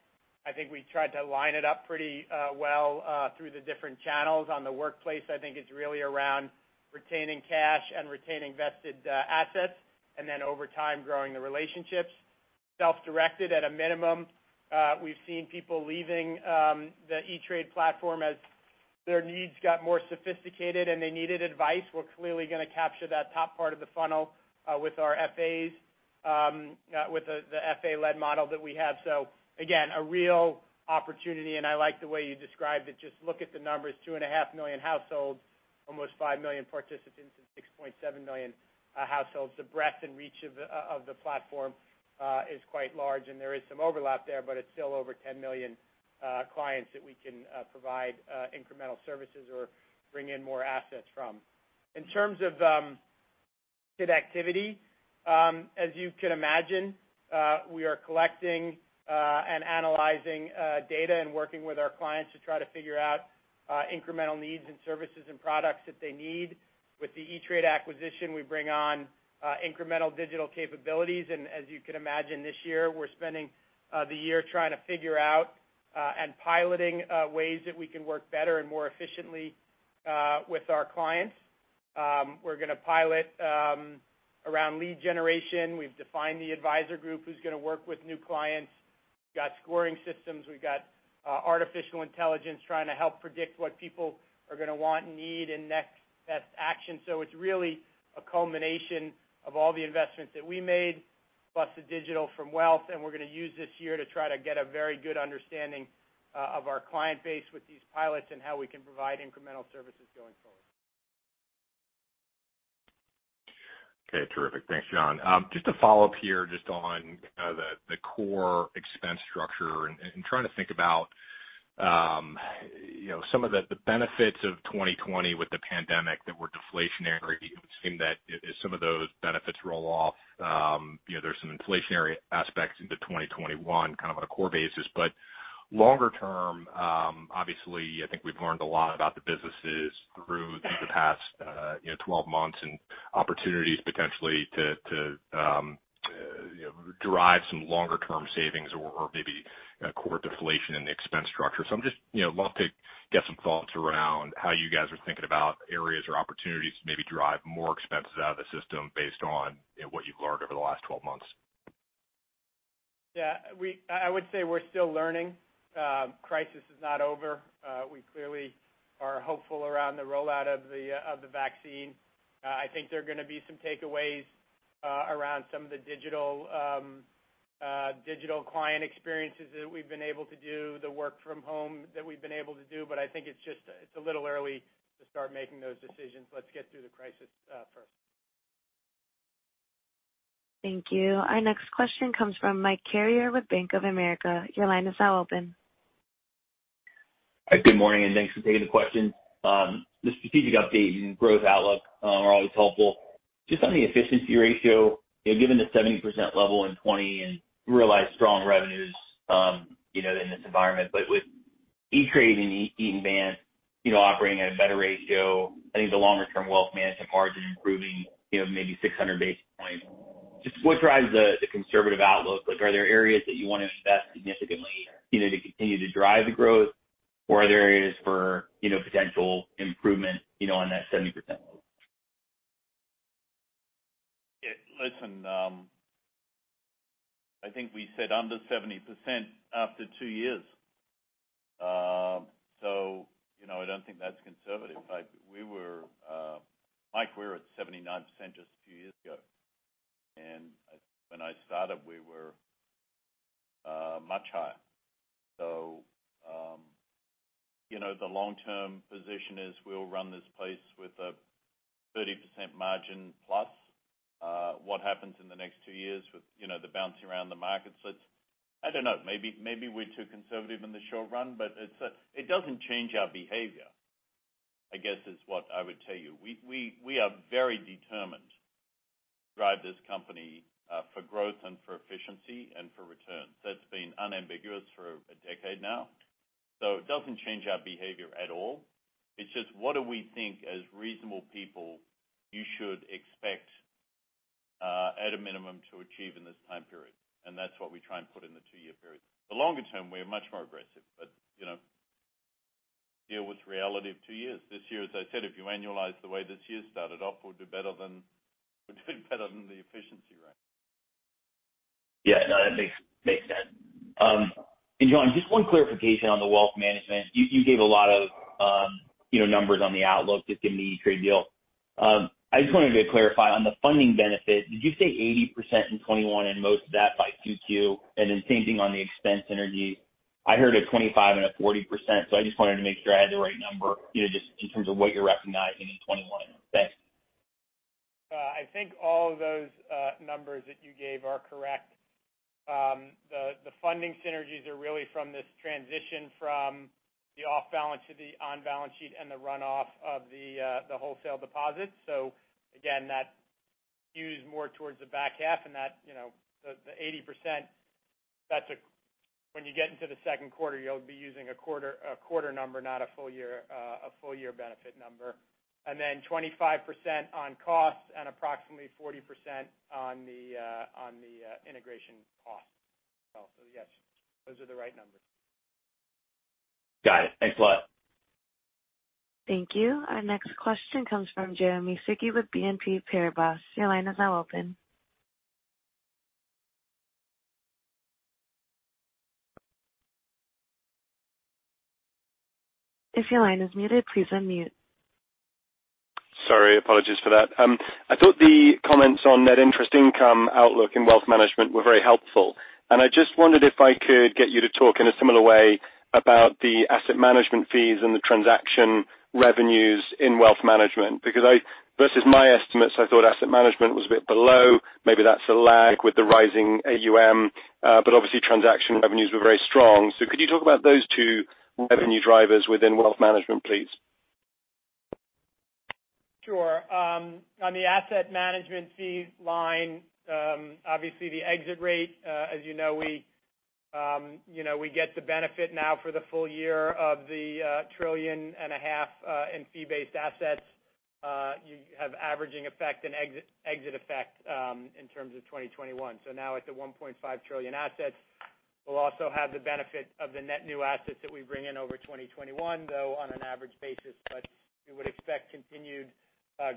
I think we tried to line it up pretty well through the different channels on the workplace. I think it's really around retaining cash and retaining vested assets, and then over time, growing the relationships. Self-directed at a minimum. We've seen people leaving the E*TRADE platform as their needs got more sophisticated, and they needed advice. We're clearly going to capture that top part of the funnel with our FAs, with the FA-led model that we have. Again, a real opportunity, and I like the way you described it. Just look at the numbers, 2.5 million households, almost 5 million participants, and 6.7 million households. The breadth and reach of the platform is quite large, and there is some overlap there, but it's still over 10 million clients that we can provide incremental services or bring in more assets from. In terms of activity. As you can imagine, we are collecting and analyzing data and working with our clients to try to figure out incremental needs in services and products that they need. With the E*TRADE acquisition, we bring on incremental digital capabilities. As you can imagine, this year, we're spending the year trying to figure out and piloting ways that we can work better and more efficiently with our clients. We're going to pilot around lead generation. We've defined the advisor group who's going to work with new clients. We've got scoring systems. We've got artificial intelligence trying to help predict what people are going to want and need in Next Best Action. It's really a culmination of all the investments that we made, plus the digital from wealth. We're going to use this year to try to get a very good understanding of our client base with these pilots and how we can provide incremental services going forward. Okay. Terrific. Thanks, Jon. Just to follow up here just on the core expense structure and trying to think about some of the benefits of 2020 with the pandemic that were deflationary. It would seem that as some of those benefits roll off, there's some inflationary aspects into 2021 kind of on a core basis. Longer term, obviously, I think we've learned a lot about the businesses through the past 12 months and opportunities potentially to derive some longer-term savings or maybe core deflation in the expense structure. I'd love to get some thoughts around how you guys are thinking about areas or opportunities to maybe drive more expenses out of the system based on what you've learned over the last 12 months. Yeah. I would say we're still learning. Crisis is not over. We clearly are hopeful around the rollout of the vaccine. I think there are going to be some takeaways around some of the digital client experiences that we've been able to do, the work from home that we've been able to do. I think it's a little early to start making those decisions. Let's get through the crisis first. Thank you. Our next question comes from Mike Carrier with Bank of America. Good morning. Thanks for taking the question. The strategic update and growth outlook are always helpful. Just on the efficiency ratio, given the 70% level in 2020 and realized strong revenues in this environment, but with E*TRADE and Eaton Vance operating at a better ratio, I think the longer-term wealth management margin improving maybe 600 basis points. Just what drives the conservative outlook? Are there areas that you want to invest significantly to continue to drive the growth, or are there areas for potential improvement on that 70% level? Listen, I think we said under 70% after two years. I don't think that's conservative. Mike, we were at 79% just a few years ago. When I started, we were much higher. The long-term position is we'll run this place with a 30% margin plus. What happens in the next two years with the bouncing around the markets? I don't know. Maybe we're too conservative in the short run, but it doesn't change our behavior, I guess is what I would tell you. We are very determined to drive this company for growth and for efficiency and for returns. That's been unambiguous for a decade now. It doesn't change our behavior at all. It's just what do we think as reasonable people you should expect at a minimum to achieve in this time period. That's what we try and put in the two-year period. The longer term, we are much more aggressive. Deal with reality of two years. This year, as I said, if you annualize the way this year started off, we'll do better than the efficiency rate. Yeah. No, that makes sense. Jon, just one clarification on the wealth management. You gave a lot of numbers on the outlook, just given the E*TRADE deal. I just wanted to clarify on the funding benefit, did you say 80% in 2021 and most of that by 2Q? Same thing on the expense synergies. I heard a 25% and a 40%, so I just wanted to make sure I had the right number just in terms of what you're recognizing in 2021. Thanks. I think all of those numbers that you gave are correct. The funding synergies are really from this transition from the off-balance to the on-balance sheet and the runoff of the wholesale deposits. Again, that skews more towards the back half and the 80%, when you get into the second quarter, you'll be using a quarter number, not a full year benefit number. Then 25% on costs and approximately 40% on the integration costs. Yes, those are the right numbers. Got it. Thanks a lot. Thank you. Our next question comes from Jeremy Sigee with BNP Paribas. Your line is now open. If your line is muted, please unmute. Sorry, apologies for that. I thought the comments on net interest income outlook and wealth management were very helpful. I just wondered if I could get you to talk in a similar way about the asset management fees and the transaction revenues in wealth management because versus my estimates, I thought asset management was a bit below. Maybe that's a lag with the rising AUM, but obviously transaction revenues were very strong. Could you talk about those two revenue drivers within wealth management, please? Sure. On the asset management fees line, obviously the exit rate, as you know, we get the benefit now for the full year of the trillion and a half in fee-based assets. You have averaging effect and exit effect in terms of 2021. Now it's at $1.5 trillion assets. We'll also have the benefit of the net new assets that we bring in over 2021, though on an average basis. We would expect continued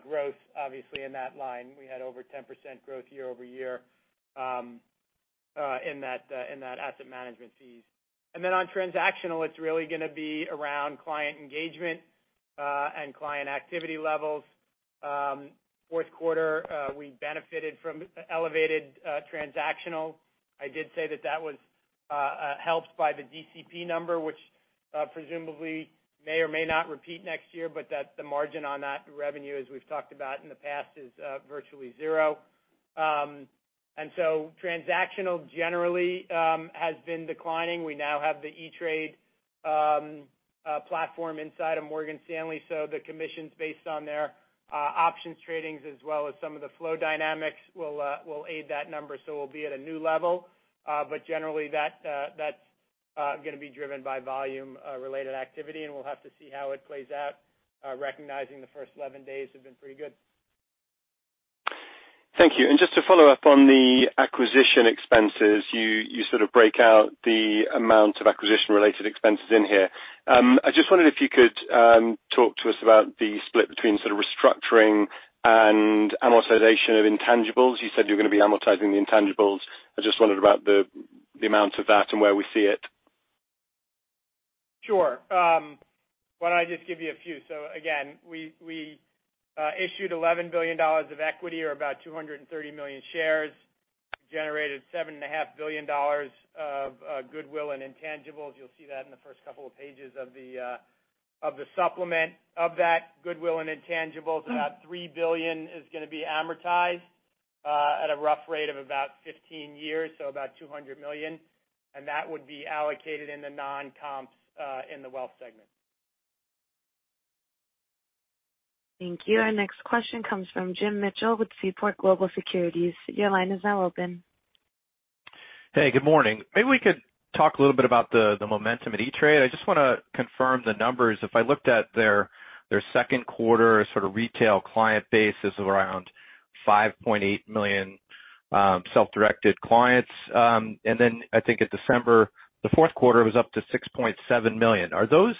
growth, obviously, in that line. We had over 10% growth year-over-year in that asset management fees. On transactional, it's really going to be around client engagement and client activity levels. Fourth quarter, we benefited from elevated transactional. I did say that that was helped by the DCP number, which presumably may or may not repeat next year, but that the margin on that revenue, as we've talked about in the past, is virtually zero. Transactional generally has been declining. We now have the E*TRADE platform inside of Morgan Stanley, so the commissions based on their options tradings as well as some of the flow dynamics will aid that number. We'll be at a new level. Generally that's going to be driven by volume related activity, and we'll have to see how it plays out, recognizing the first 11 days have been pretty good. Thank you. Just to follow up on the acquisition expenses, you sort of break out the amount of acquisition related expenses in here. I just wondered if you could talk to us about the split between sort of restructuring and amortization of intangibles. You said you're going to be amortizing the intangibles. I just wondered about the amount of that and where we see it. Sure. Why don't I just give you a few? Again, we issued $11 billion of equity or about 230 million shares, generated $7.5 billion of goodwill and intangibles. You'll see that in the first couple of pages of the supplement. Of that goodwill and intangibles, about $3 billion is going to be amortized at a rough rate of about 15 years, so about $200 million. That would be allocated in the non-comps in the wealth segment. Thank you. Our next question comes from Jim Mitchell with Seaport Global Securities. Your line is now open. Hey, good morning. Maybe we could talk a little bit about the momentum at E*TRADE. I just want to confirm the numbers. If I looked at their second quarter sort of retail client base is around 5.8 million self-directed clients. Then I think at December, the fourth quarter was up to 6.7 million. Are those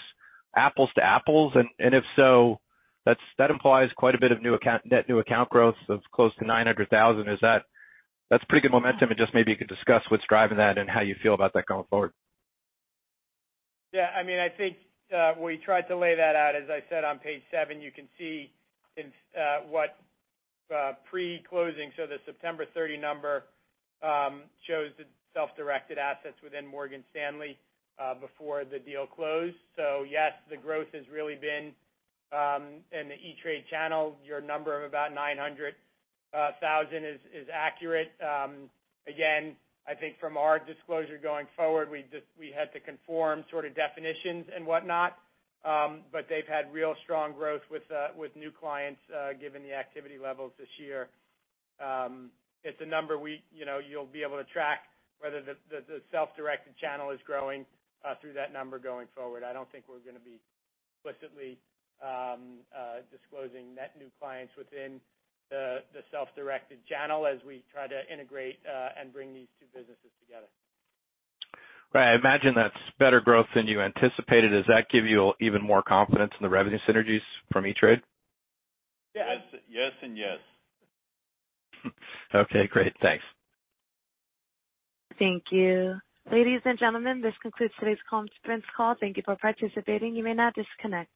apples to apples? If so, that implies quite a bit of net new account growth of close to 900,000. That's pretty good momentum. Just maybe you could discuss what's driving that and how you feel about that going forward. I think we tried to lay that out. As I said, on page seven, you can see what pre-closing, so the September 30 number shows the self-directed assets within Morgan Stanley before the deal closed. Yes, the growth has really been in the E*TRADE channel. Your number of about 900,000 is accurate. Again, I think from our disclosure going forward, we had to conform sort of definitions and whatnot. They've had real strong growth with new clients given the activity levels this year. It's a number you'll be able to track whether the self-directed channel is growing through that number going forward. I don't think we're going to be explicitly disclosing net new clients within the self-directed channel as we try to integrate and bring these two businesses together. Right. I imagine that's better growth than you anticipated. Does that give you even more confidence in the revenue synergies from E*TRADE? Yes. Yes and yes. Okay, great. Thanks. Thank you. Ladies and gentlemen, this concludes today's conference call. Thank you for participating. You may now disconnect.